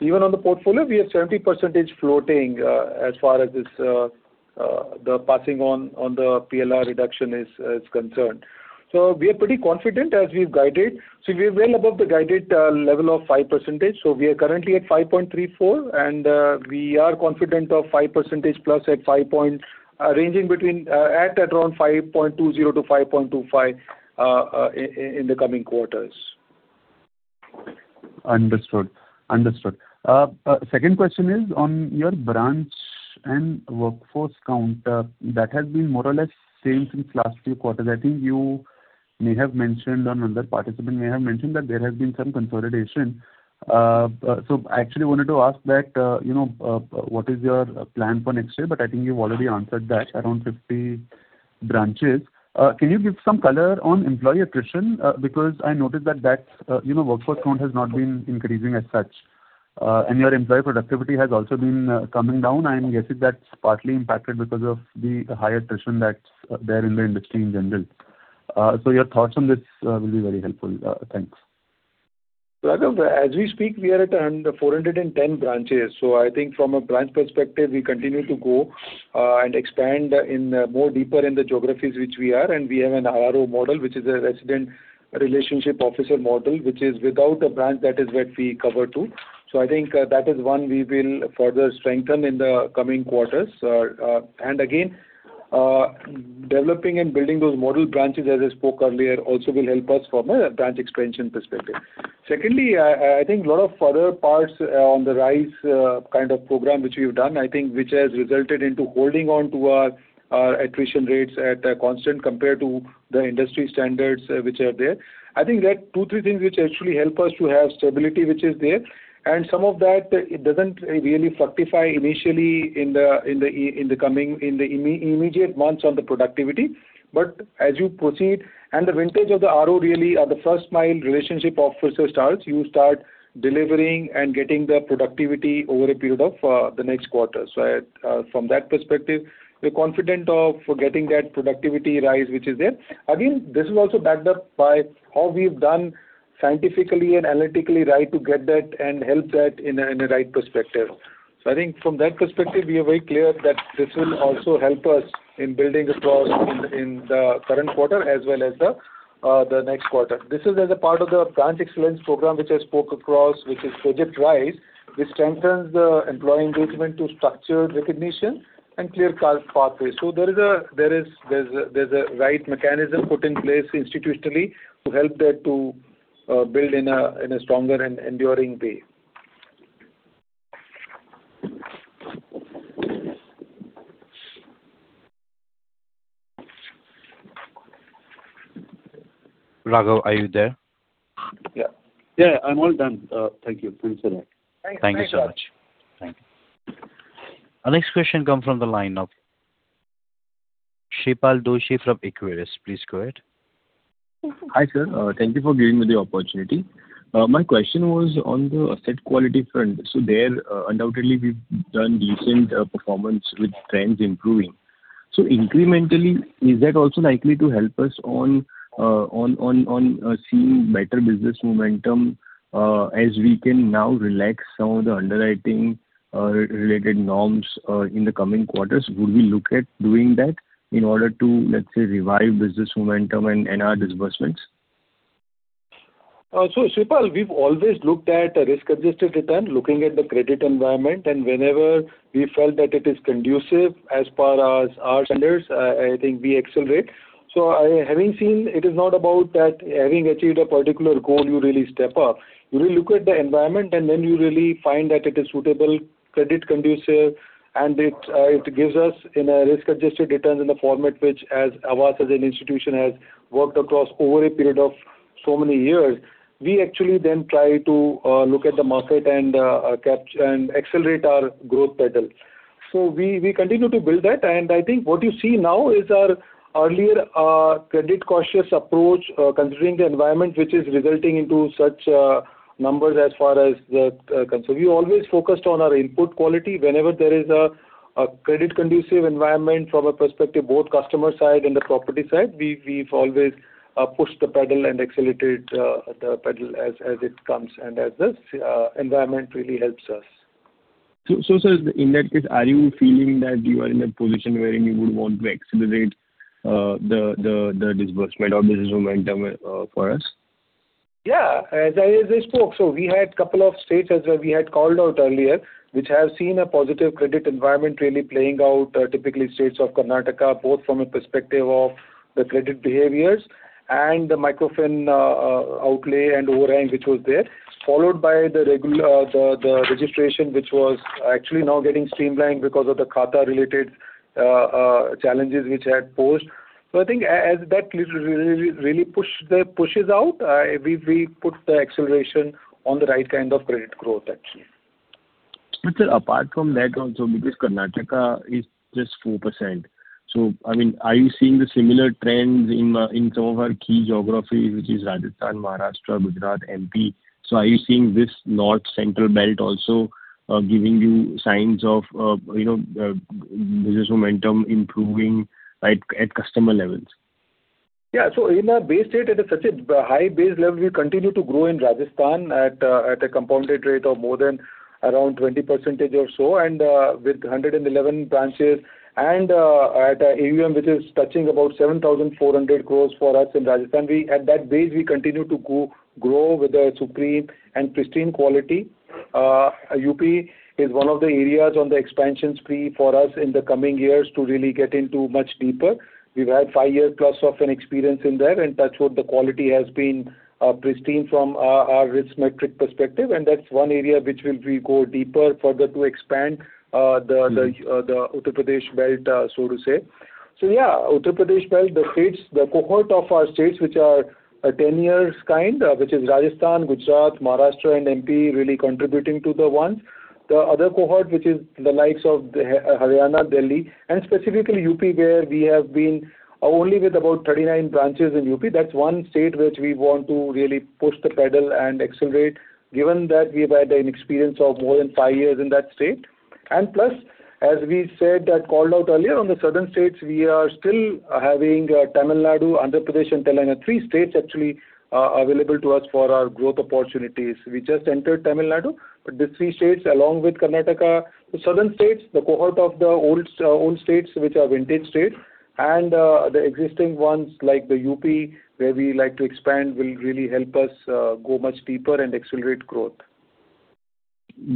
even on the portfolio, we have 70% floating as far as the passing on the PLR reduction is concerned. So we are pretty confident as we've guided. So we're well above the guided level of 5%. So we are currently at 5.34%, and we are confident of 5% plus at 5 point ranging between at around 5.20%-5.25% in the coming quarters. Understood. Understood. Second question is, on your branch and workforce count, that has been more or less same since last few quarters. I think you may have mentioned on another participant may have mentioned that there has been some consolidation. So I actually wanted to ask that what is your plan for next year. But I think you've already answered that, around 50 branches. Can you give some color on employee attrition? Because I noticed that that workforce count has not been increasing as such. And your employee productivity has also been coming down. I'm guessing that's partly impacted because of the high attrition that's there in the industry in general. So your thoughts on this will be very helpful. Thanks. Raghav, as we speak, we are at 410 branches. So I think from a branch perspective, we continue to go and expand more deeper in the geographies which we are. And we have an RRO model, which is a resident representative officer model, which is without a branch. That is what we cover too. So I think that is one we will further strengthen in the coming quarters. And again, developing and building those model branches, as I spoke earlier, also will help us from a branch expansion perspective. Secondly, I think a lot of other parts on the Project Rise kind of program which we've done, I think which has resulted into holding on to our attrition rates at a constant compared to the industry standards which are there. I think there are two, three things which actually help us to have stability which is there. Some of that, it doesn't really fructify initially in the coming, in the immediate months on the productivity. But as you proceed and the vintage of the RRO really are the first-mile relationship officer starts, you start delivering and getting the productivity over a period of the next quarter. So from that perspective, we're confident of getting that productivity rise which is there. Again, this is also backed up by how we've done scientifically and analytically right to get that and help that in a right perspective. So I think from that perspective, we are very clear that this will also help us in building across in the current quarter as well as the next quarter. This is as a part of the Branch Excellence Program which I spoke across, which is Project Rise. This strengthens the employee engagement to structured recognition and clear pathways. There is a right mechanism put in place institutionally to help that to build in a stronger and enduring way. Raghav, are you there? Yeah. Yeah. I'm all done. Thank you. Thanks for that. Thank you so much. Thank you. Our next question comes from the line of Shreepal Doshi from Equirus Securities. Please go ahead. Hi, sir. Thank you for giving me the opportunity. My question was on the asset quality front. There, undoubtedly, we've done decent performance with trends improving. Incrementally, is that also likely to help us on seeing better business momentum as we can now relax some of the underwriting-related norms in the coming quarters? Would we look at doing that in order to, let's say, revive business momentum and our disbursements? So Shreepal, we've always looked at risk-adjusted return, looking at the credit environment. Whenever we felt that it is conducive as far as our standards, I think we accelerate. So having seen it is not about that having achieved a particular goal, you really step up. You really look at the environment, and then you really find that it is suitable, credit conducive, and it gives us risk-adjusted returns in the format which Aavas, as an institution, has worked across over a period of so many years. We actually then try to look at the market and accelerate our growth pedal. So we continue to build that. And I think what you see now is our earlier credit-cautious approach considering the environment which is resulting into such numbers as far as the. So we always focused on our input quality. Whenever there is a credit-conducive environment from a perspective, both customer side and the property side, we've always pushed the pedal and accelerated the pedal as it comes. As this environment really helps us. Sir, in that case, are you feeling that you are in a position wherein you would want to accelerate the disbursement or business momentum for us? Yeah. As I spoke, so we had a couple of states as well. We had called out earlier which have seen a positive credit environment really playing out, typically states of Karnataka, both from a perspective of the credit behaviors and the microfin outlay and overhang which was there, followed by the registration which was actually now getting streamlined because of the Khata-related challenges which had posed. So I think as that really pushes out, we put the acceleration on the right kind of credit growth, actually. But sir, apart from that also, because Karnataka is just 4%. So I mean, are you seeing the similar trends in some of our key geographies which is Rajasthan, Maharashtra, Gujarat, MP? So are you seeing this north-central belt also giving you signs of business momentum improving at customer levels? Yeah. So in a base state, at such a high base level, we continue to grow in Rajasthan at a compounded rate of more than around 20% or so and with 111 branches and at an AUM which is touching about 7,400 crore for us in Rajasthan. At that base, we continue to grow with a supreme and pristine quality. UP is one of the areas on the expansion spree for us in the coming years to really get into much deeper. We've had five years plus of experience in there, and touchwood, the quality has been pristine from our risk metric perspective. And that's one area which will we go deeper further to expand the Uttar Pradesh belt, so to say. So yeah, Uttar Pradesh belt, the cohort of our states which are 10 years kind, which is Rajasthan, Gujarat, Maharashtra, and MP, really contributing to the ones. The other cohort, which is the likes of Haryana, Delhi, and specifically UP, where we have been only with about 39 branches in UP, that's one state which we want to really push the pedal and accelerate given that we've had an experience of more than five years in that state. And plus, as we said that called out earlier, on the southern states, we are still having Tamil Nadu, Andhra Pradesh, and Telangana three states actually available to us for our growth opportunities. We just entered Tamil Nadu. But these three states, along with Karnataka, the southern states, the cohort of the old states which are vintage states, and the existing ones like the UP, where we like to expand, will really help us go much deeper and accelerate growth.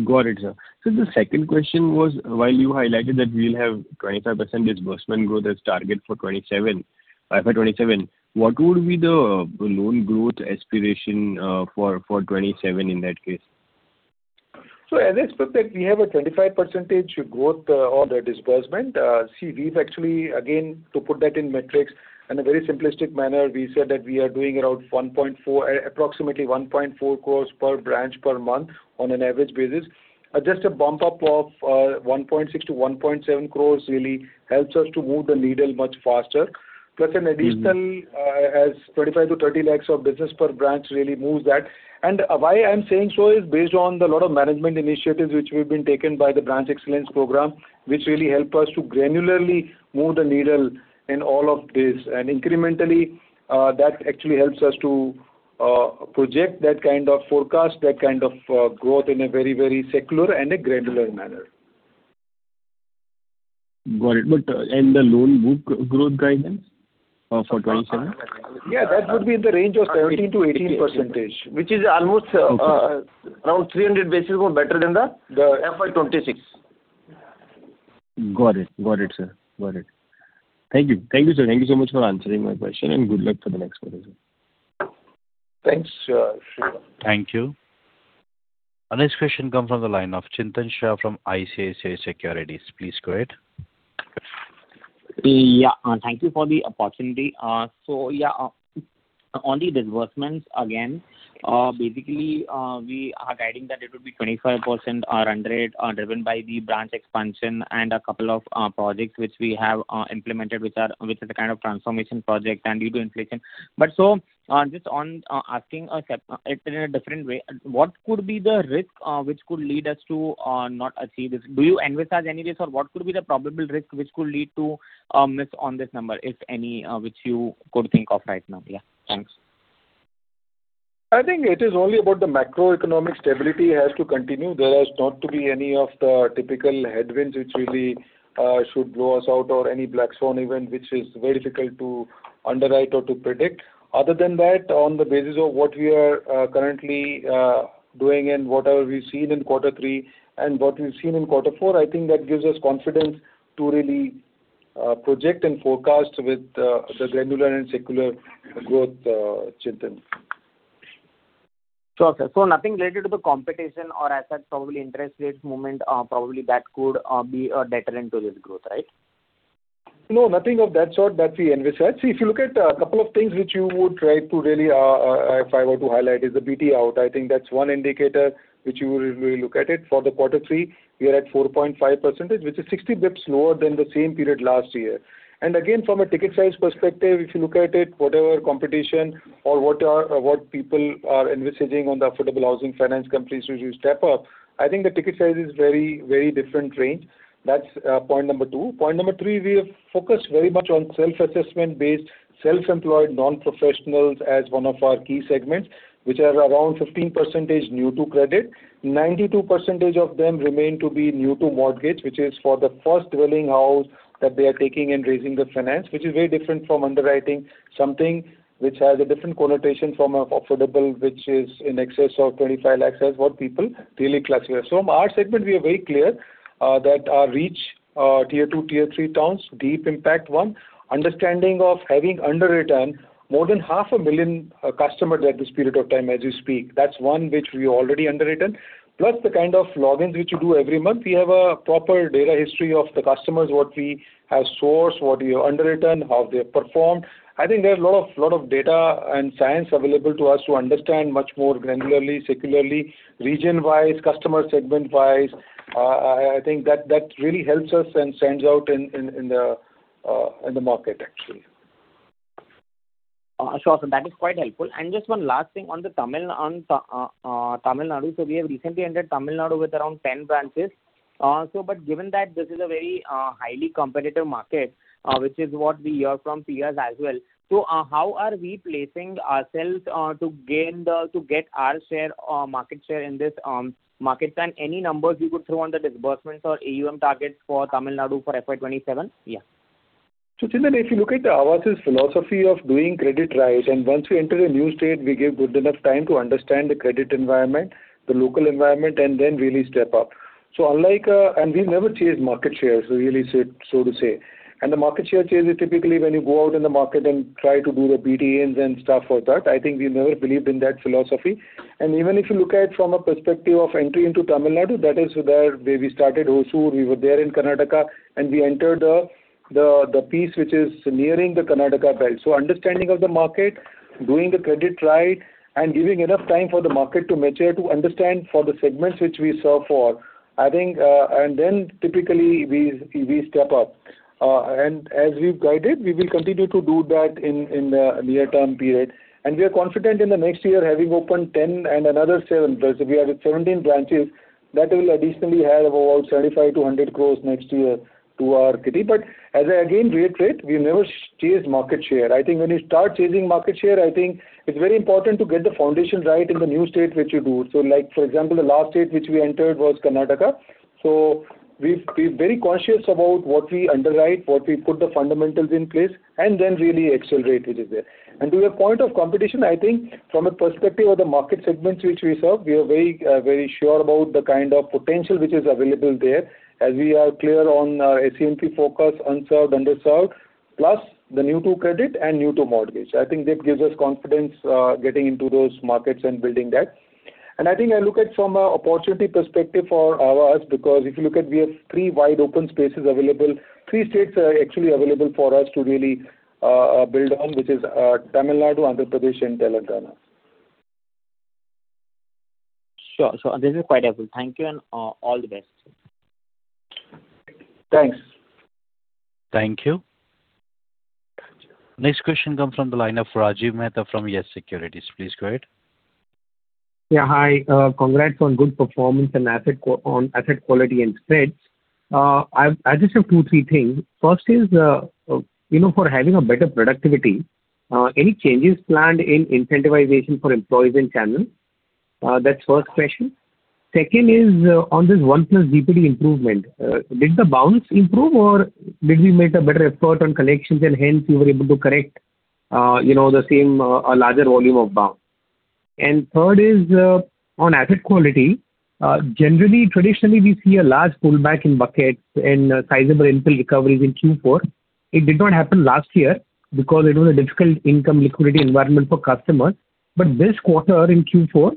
Got it, sir. So the second question was, while you highlighted that we'll have 25% disbursement growth as target for FY 2027, what would be the loan growth aspiration for 2027 in that case? As I spoke that we have a 25% growth on the disbursement. See, we've actually, again, to put that in metrics in a very simplistic manner, we said that we are doing around approximately 1.4 crore per branch per month on an average basis. Just a bump-up of 1.6 crore-1.7 crore really helps us to move the needle much faster. Plus, an additional 25 lakh-30 lakh of business per branch really moves that. And why I'm saying so is based on a lot of management initiatives which we've been taken by the Branch Excellence Program which really help us to granularly move the needle in all of this. And incrementally, that actually helps us to project that kind of forecast, that kind of growth in a very, very secular and a granular manner. Got it. And the loan book growth guidance for 2027? Yeah. That would be in the range of 17%-18%, which is almost around 300 basis more better than the FY 2026. Got it. Got it, sir. Got it. Thank you. Thank you, sir. Thank you so much for answering my question. Good luck for the next question, sir. Thanks, Shreepal. Thank you. Our next question comes from the line of Chintan Shah from ICICI Securities. Please go ahead. Yeah. Thank you for the opportunity. So yeah, on the disbursements, again, basically, we are guiding that it would be 25% or under it, driven by the branch expansion and a couple of projects which we have implemented which are the kind of transformation projects and due to inflation. But so just asking in a different way, what could be the risk which could lead us to not achieve this? Do you envisage any risk, or what could be the probable risk which could lead to a miss on this number, if any, which you could think of right now? Yeah. Thanks. I think it is only about the macroeconomic stability has to continue. There has not to be any of the typical headwinds which really should blow us out or any black swan event which is very difficult to underwrite or to predict. Other than that, on the basis of what we are currently doing and whatever we've seen in quarter three and what we've seen in quarter four, I think that gives us confidence to really project and forecast with the granular and secular growth, Chintan. Okay. So nothing related to the competition or assets, probably interest rates movement, probably that could be a deterrent to this growth, right? No, nothing of that sort that we envisage. See, if you look at a couple of things which you would try to really if I were to highlight is the BT out. I think that's one indicator which you will really look at it. For the quarter three, we are at 4.5%, which is 60 basis points lower than the same period last year. And again, from a ticket size perspective, if you look at it, whatever competition or what people are envisaging on the affordable housing finance companies to step up, I think the ticket size is very, very different range. That's point number two. Point number three, we have focused very much on self-assessment-based self-employed nonprofessionals as one of our key segments which are around 15% new to credit. 92% of them remain to be new to mortgage, which is for the first dwelling house that they are taking and raising the finance, which is very different from underwriting something which has a different connotation from affordable which is in excess of 25 lakhs as what people really classify. So on our segment, we are very clear that our reach Tier 2, Tier 3 towns, deep impact one, understanding of having underwritten more than 500,000 customers at this period of time as you speak. That's one which we already underwritten. Plus, the kind of logins which you do every month, we have a proper data history of the customers, what we have sourced, what we have underwritten, how they have performed. I think there are a lot of data and science available to us to understand much more granularly, secularly, region-wise, customer segment-wise. I think that really helps us and stands out in the market, actually. Sure, that is quite helpful. And just one last thing on Tamil Nadu. So we have recently entered Tamil Nadu with around 10 branches. But given that this is a very highly competitive market, which is what we hear from peers as well, so how are we placing ourselves to get our share, market share in this market? And any numbers you could throw on the disbursements or AUM targets for Tamil Nadu for FY 2027? Yeah. So Chintan, if you look at Aavas' philosophy of doing credit right, and once we enter a new state, we give good enough time to understand the credit environment, the local environment, and then really step up. We've never chased market shares, really, so to say. The market share chase is typically when you go out in the market and try to do the BT ins and stuff for that. I think we never believed in that philosophy. Even if you look at it from a perspective of entry into Tamil Nadu, that is where we started, Hosur. We were there in Karnataka, and we entered the piece which is nearing the Karnataka belt. So, understanding of the market, doing the credit right, and giving enough time for the market to mature, to understand for the segments which we serve for, I think and then typically, we step up. And as we've guided, we will continue to do that in the near-term period. And we are confident in the next year having opened 10 and another 7. We are at 17 branches. That will additionally have about 75 crore-100 crore next year to our city. But as I again reiterate, we've never chased market share. I think when you start chasing market share, I think it's very important to get the foundation right in the new state which you do. So for example, the last state which we entered was Karnataka. So we're very conscious about what we underwrite, what we put the fundamentals in place, and then really accelerate which is there. To your point of competition, I think from a perspective of the market segments which we serve, we are very, very sure about the kind of potential which is available there as we are clear on our SCNP focus, unserved, underserved, plus the new-to-credit and new-to-mortgage. I think that gives us confidence getting into those markets and building that. I think I look at it from an opportunity perspective for Aavas because if you look at, we have three wide open spaces available, three states actually available for us to really build on, which is Tamil Nadu, Andhra Pradesh, and Telangana. Sure. So this is quite helpful. Thank you, and all the best. Thanks. Thank you. Next question comes from the line of Rajiv Mehta from Yes Securities. Please go ahead. Yeah. Hi. Congrats on good performance and asset quality in. [inaudible] I just have two, three things. First is for having a better productivity, any changes planned in incentivization for employees in channel? That's first question. Second is on this 1+ DPD improvement, did the books improve, or did we make a better effort on collections and hence you were able to collect the same larger volume of books? And third is on asset quality. Generally, traditionally, we see a large pullback in buckets and sizable internal recoveries in Q4. It did not happen last year because it was a difficult income liquidity environment for customers. But this quarter in Q4,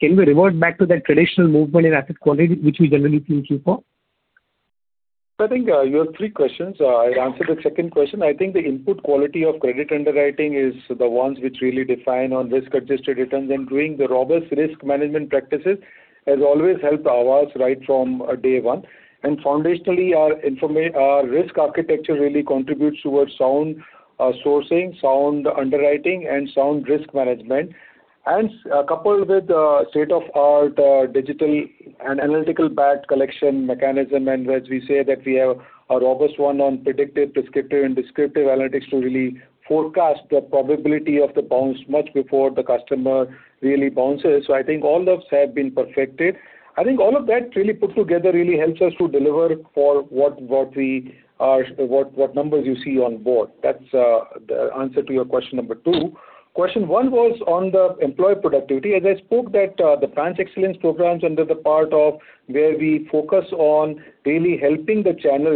can we revert back to that traditional movement in asset quality which we generally see in Q4? So I think you have three questions. I'll answer the second question. I think the input quality of credit underwriting is the ones which really define our risk-adjusted returns. And doing the robust risk management practices has always helped Aavas right from day one. And foundationally, our risk architecture really contributes towards sound sourcing, sound underwriting, and sound risk management. And coupled with state-of-the-art digital and analytical debt collection mechanism, and as we say that we have a robust one on predictive, prescriptive, and descriptive analytics to really forecast the probability of the bounce much before the customer really bounces. So I think all those have been perfected. I think all of that really put together really helps us to deliver the numbers you see on board. That's the answer to your question number two. Question one was on the employee productivity. As I spoke that the Branch Excellence Program is under the part of where we focus on really helping the channel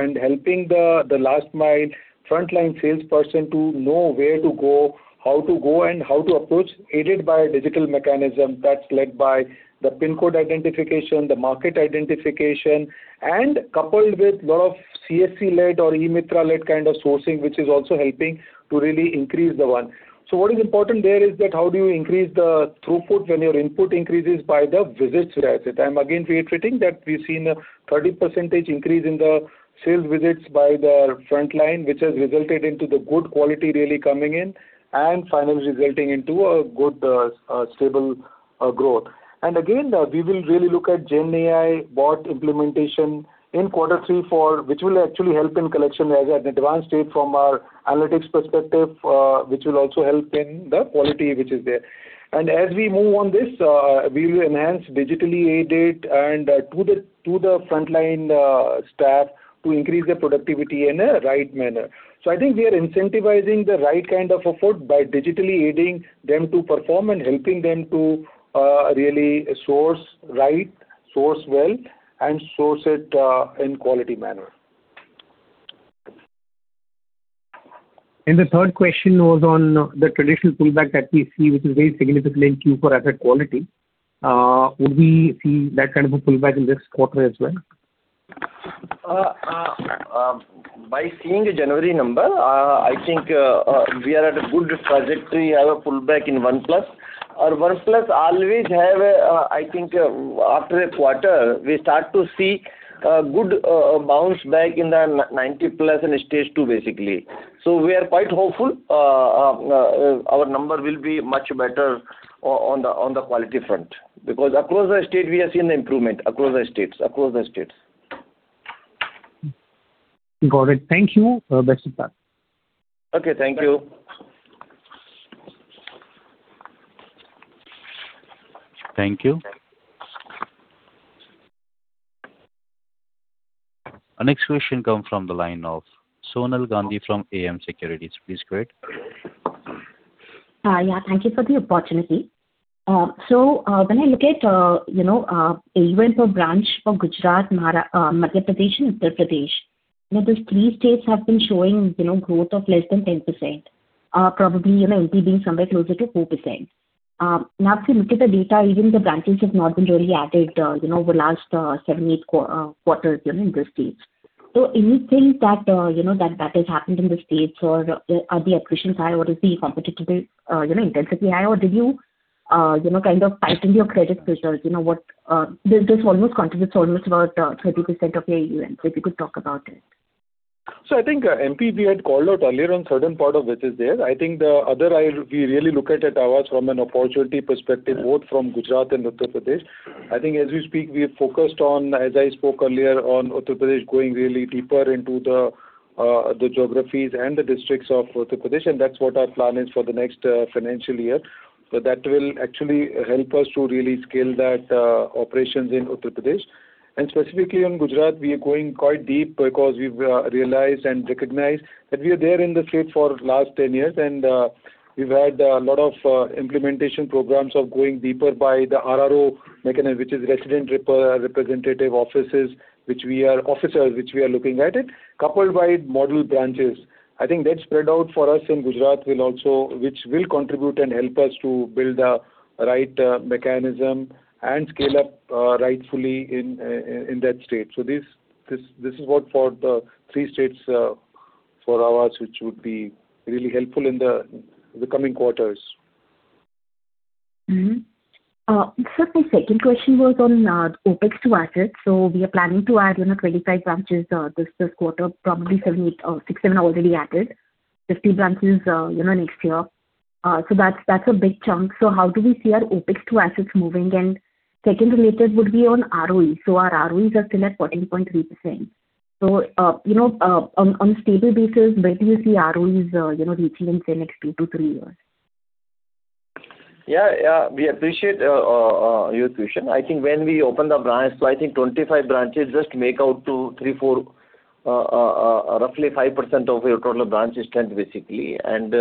and helping the last-mile frontline salesperson to know where to go, how to go, and how to approach, aided by a digital mechanism that's led by the PIN code identification, the market identification, and coupled with a lot of CSC-led or e-Mitra-led kind of sourcing which is also helping to really increase the one. So what is important there is that how do you increase the throughput when your input increases by the visits. Aspect. I'm again reiterating that we've seen a 30% increase in the sales visits by the frontline which has resulted into the good quality really coming in and finally resulting into a good, stable growth. Again, we will really look at GenAI bot implementation in quarter three which will actually help in collection as an advanced state from our analytics perspective which will also help in the quality which is there. As we move on this, we will enhance digitally aided and to the frontline staff to increase their productivity in a right manner. I think we are incentivizing the right kind of effort by digitally aiding them to perform and helping them to really source right, source well, and source it in a quality manner. The third question was on the traditional pullback that we see which is very significant in Q4 asset quality. Would we see that kind of a pullback in this quarter as well? By seeing the January number, I think we are at a good trajectory. We have a pullback in 1+ DPD. Our 1+ DPD always have, I think, after a quarter, we start to see good bounce back in the 90+ and stage two, basically. So we are quite hopeful our number will be much better on the quality front because across the state, we have seen the improvement across the states, across the states. Got it. Thank you, Bhinder sir. Okay. Thank you. Thank you. Our next question comes from the line of Sonal Gandhi from AM Securities. Please go ahead. Yeah. Thank you for the opportunity. So when I look at AUM per branch for Gujarat, Madhya Pradesh, and Uttar Pradesh, those three states have been showing growth of less than 10%, probably NP being somewhere closer to 4%. Now, if you look at the data, even the branches have not been really added over the last 7, 8 quarters in these states. So anything that has happened in the states or are the acquisitions high, or is the competitiveness intensely high, or did you kind of tighten your credit criteria? This almost contributes almost about 30% of your AUM, so if you could talk about it. So I think MP, we had called out earlier on certain part of which is there. I think the other we really look at Aavas from an opportunity perspective, both from Gujarat and Uttar Pradesh. I think as we speak, we have focused on, as I spoke earlier, on Uttar Pradesh going really deeper into the geographies and the districts of Uttar Pradesh. And that's what our plan is for the next financial year. So that will actually help us to really scale that operations in Uttar Pradesh. And specifically in Gujarat, we are going quite deep because we've realized and recognized that we are there in the state for the last 10 years. And we've had a lot of implementation programs of going deeper by the RRO mechanism, which is Resident Representative Offices, which we are looking at it, coupled by model branches. I think that spread out for us in Gujarat will also contribute and help us to build the right mechanism and scale up rightfully in that state. So this is what for the three states for Aavas, which would be really helpful in the coming quarters. Certainly. Second question was on OpEx to assets. So we are planning to add 25 branches this quarter, probably 6, 7 already added, 50 branches next year. So that's a big chunk. So how do we see our OpEx to assets moving? And second related would be on ROE. So our ROEs are still at 14.3%. So on a stable basis, where do you see ROEs reaching in say next 2-3 years? Yeah. Yeah. We appreciate your question. I think when we open the branches, so I think 25 branches just make out to 3-4, roughly 5% of your total branch extent, basically. And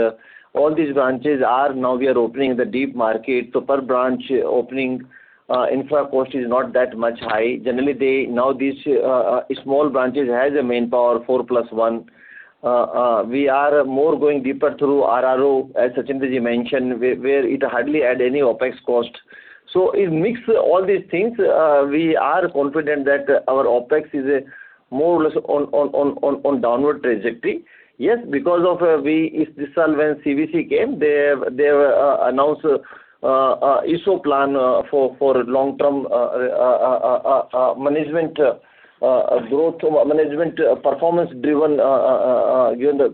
all these branches are now we are opening the deep market. So per branch opening infra cost is not that much high. Generally, now these small branches have a manpower, 4+1. We are more going deeper through RRO, as Sachinder Bhinder mentioned, where it hardly add any OPEX cost. So it mixes all these things. We are confident that our OPEX is more or less on downward trajectory. Yes, because of this year when CVC came, they announced an ESOP plan for long-term management growth, management performance-driven.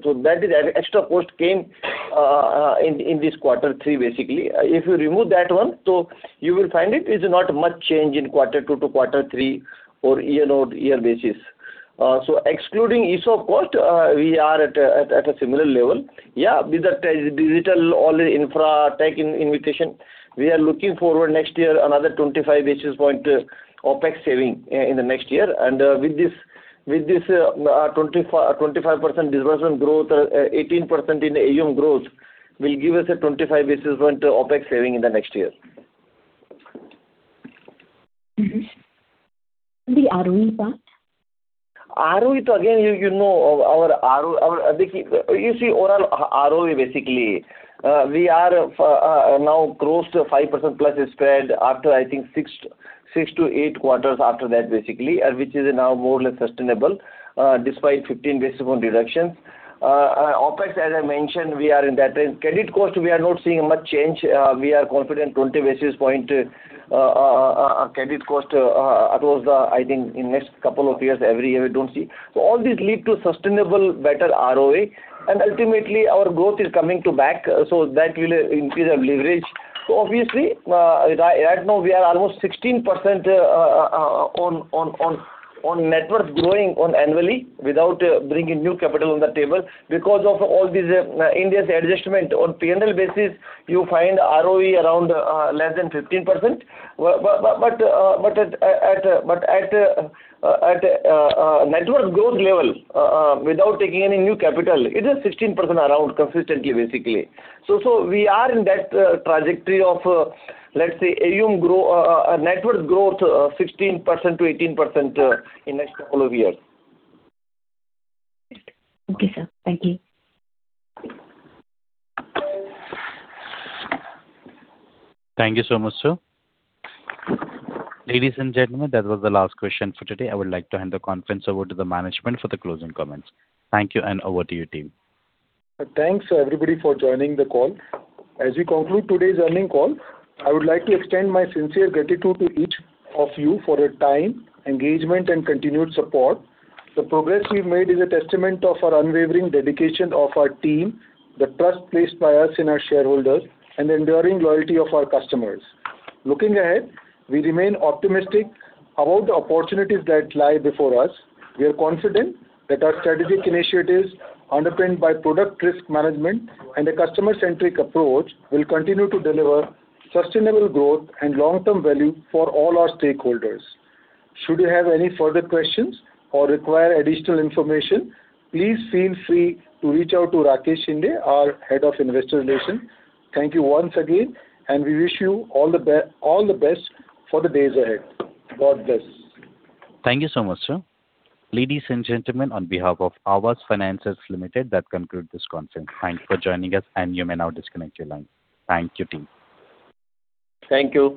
So that extra cost came in this quarter three, basically. If you remove that one, so you will find it is not much change in quarter two to quarter three or year-on-year basis. So excluding ESOP cost, we are at a similar level. Yeah. With the digital infra tech invitation, we are looking forward next year another 25 basis point OpEx saving in the next year. And with this 25% disbursement growth, 18% in AUM growth will give us a 25 basis point OpEx saving in the next year. The ROE part? ROE, again, you know our ROE you see overall ROE, basically. We are now close to 5%+ spread after, I think, 6-8 quarters after that, basically, which is now more or less sustainable despite 15 basis point reductions. OpEx, as I mentioned, we are in that range. Credit cost, we are not seeing much change. We are confident 20 basis point credit cost across the, I think, in the next couple of years, every year, we don't see. So all these lead to sustainable, better ROE. And ultimately, our growth is coming back, so that will increase our leverage. So obviously, right now, we are almost 16% on net worth growing annually without bringing new capital on the table because of all these IndAS adjustment. On P&L basis, you find ROE around less than 15%. But at net worth growth level, without taking any new capital, it is 16% around consistently, basically. So we are in that trajectory of, let's say, AUM net worth growth 16%-18% in the next couple of years. Okay, sir. Thank you. Thank you so much, sir. Ladies and gentlemen, that was the last question for today. I would like to hand the conference over to the management for the closing comments. Thank you, and over to your team. Thanks, everybody, for joining the call. As we conclude today's earnings call, I would like to extend my sincere gratitude to each of you for your time, engagement, and continued support. The progress we've made is a testament of our unwavering dedication of our team, the trust placed by us in our shareholders, and the enduring loyalty of our customers. Looking ahead, we remain optimistic about the opportunities that lie before us. We are confident that our strategic initiatives underpinned by product risk management and a customer-centric approach will continue to deliver sustainable growth and long-term value for all our stakeholders. Should you have any further questions or require additional information, please feel free to reach out to Rakesh Shinde, our head of investor relations. Thank you once again, and we wish you all the best for the days ahead. God bless. Thank you so much, sir. Ladies and gentlemen, on behalf of Aavas Financiers Limited, that concludes this conference. Thank you for joining us, and you may now disconnect your line. Thank you, team. Thank you.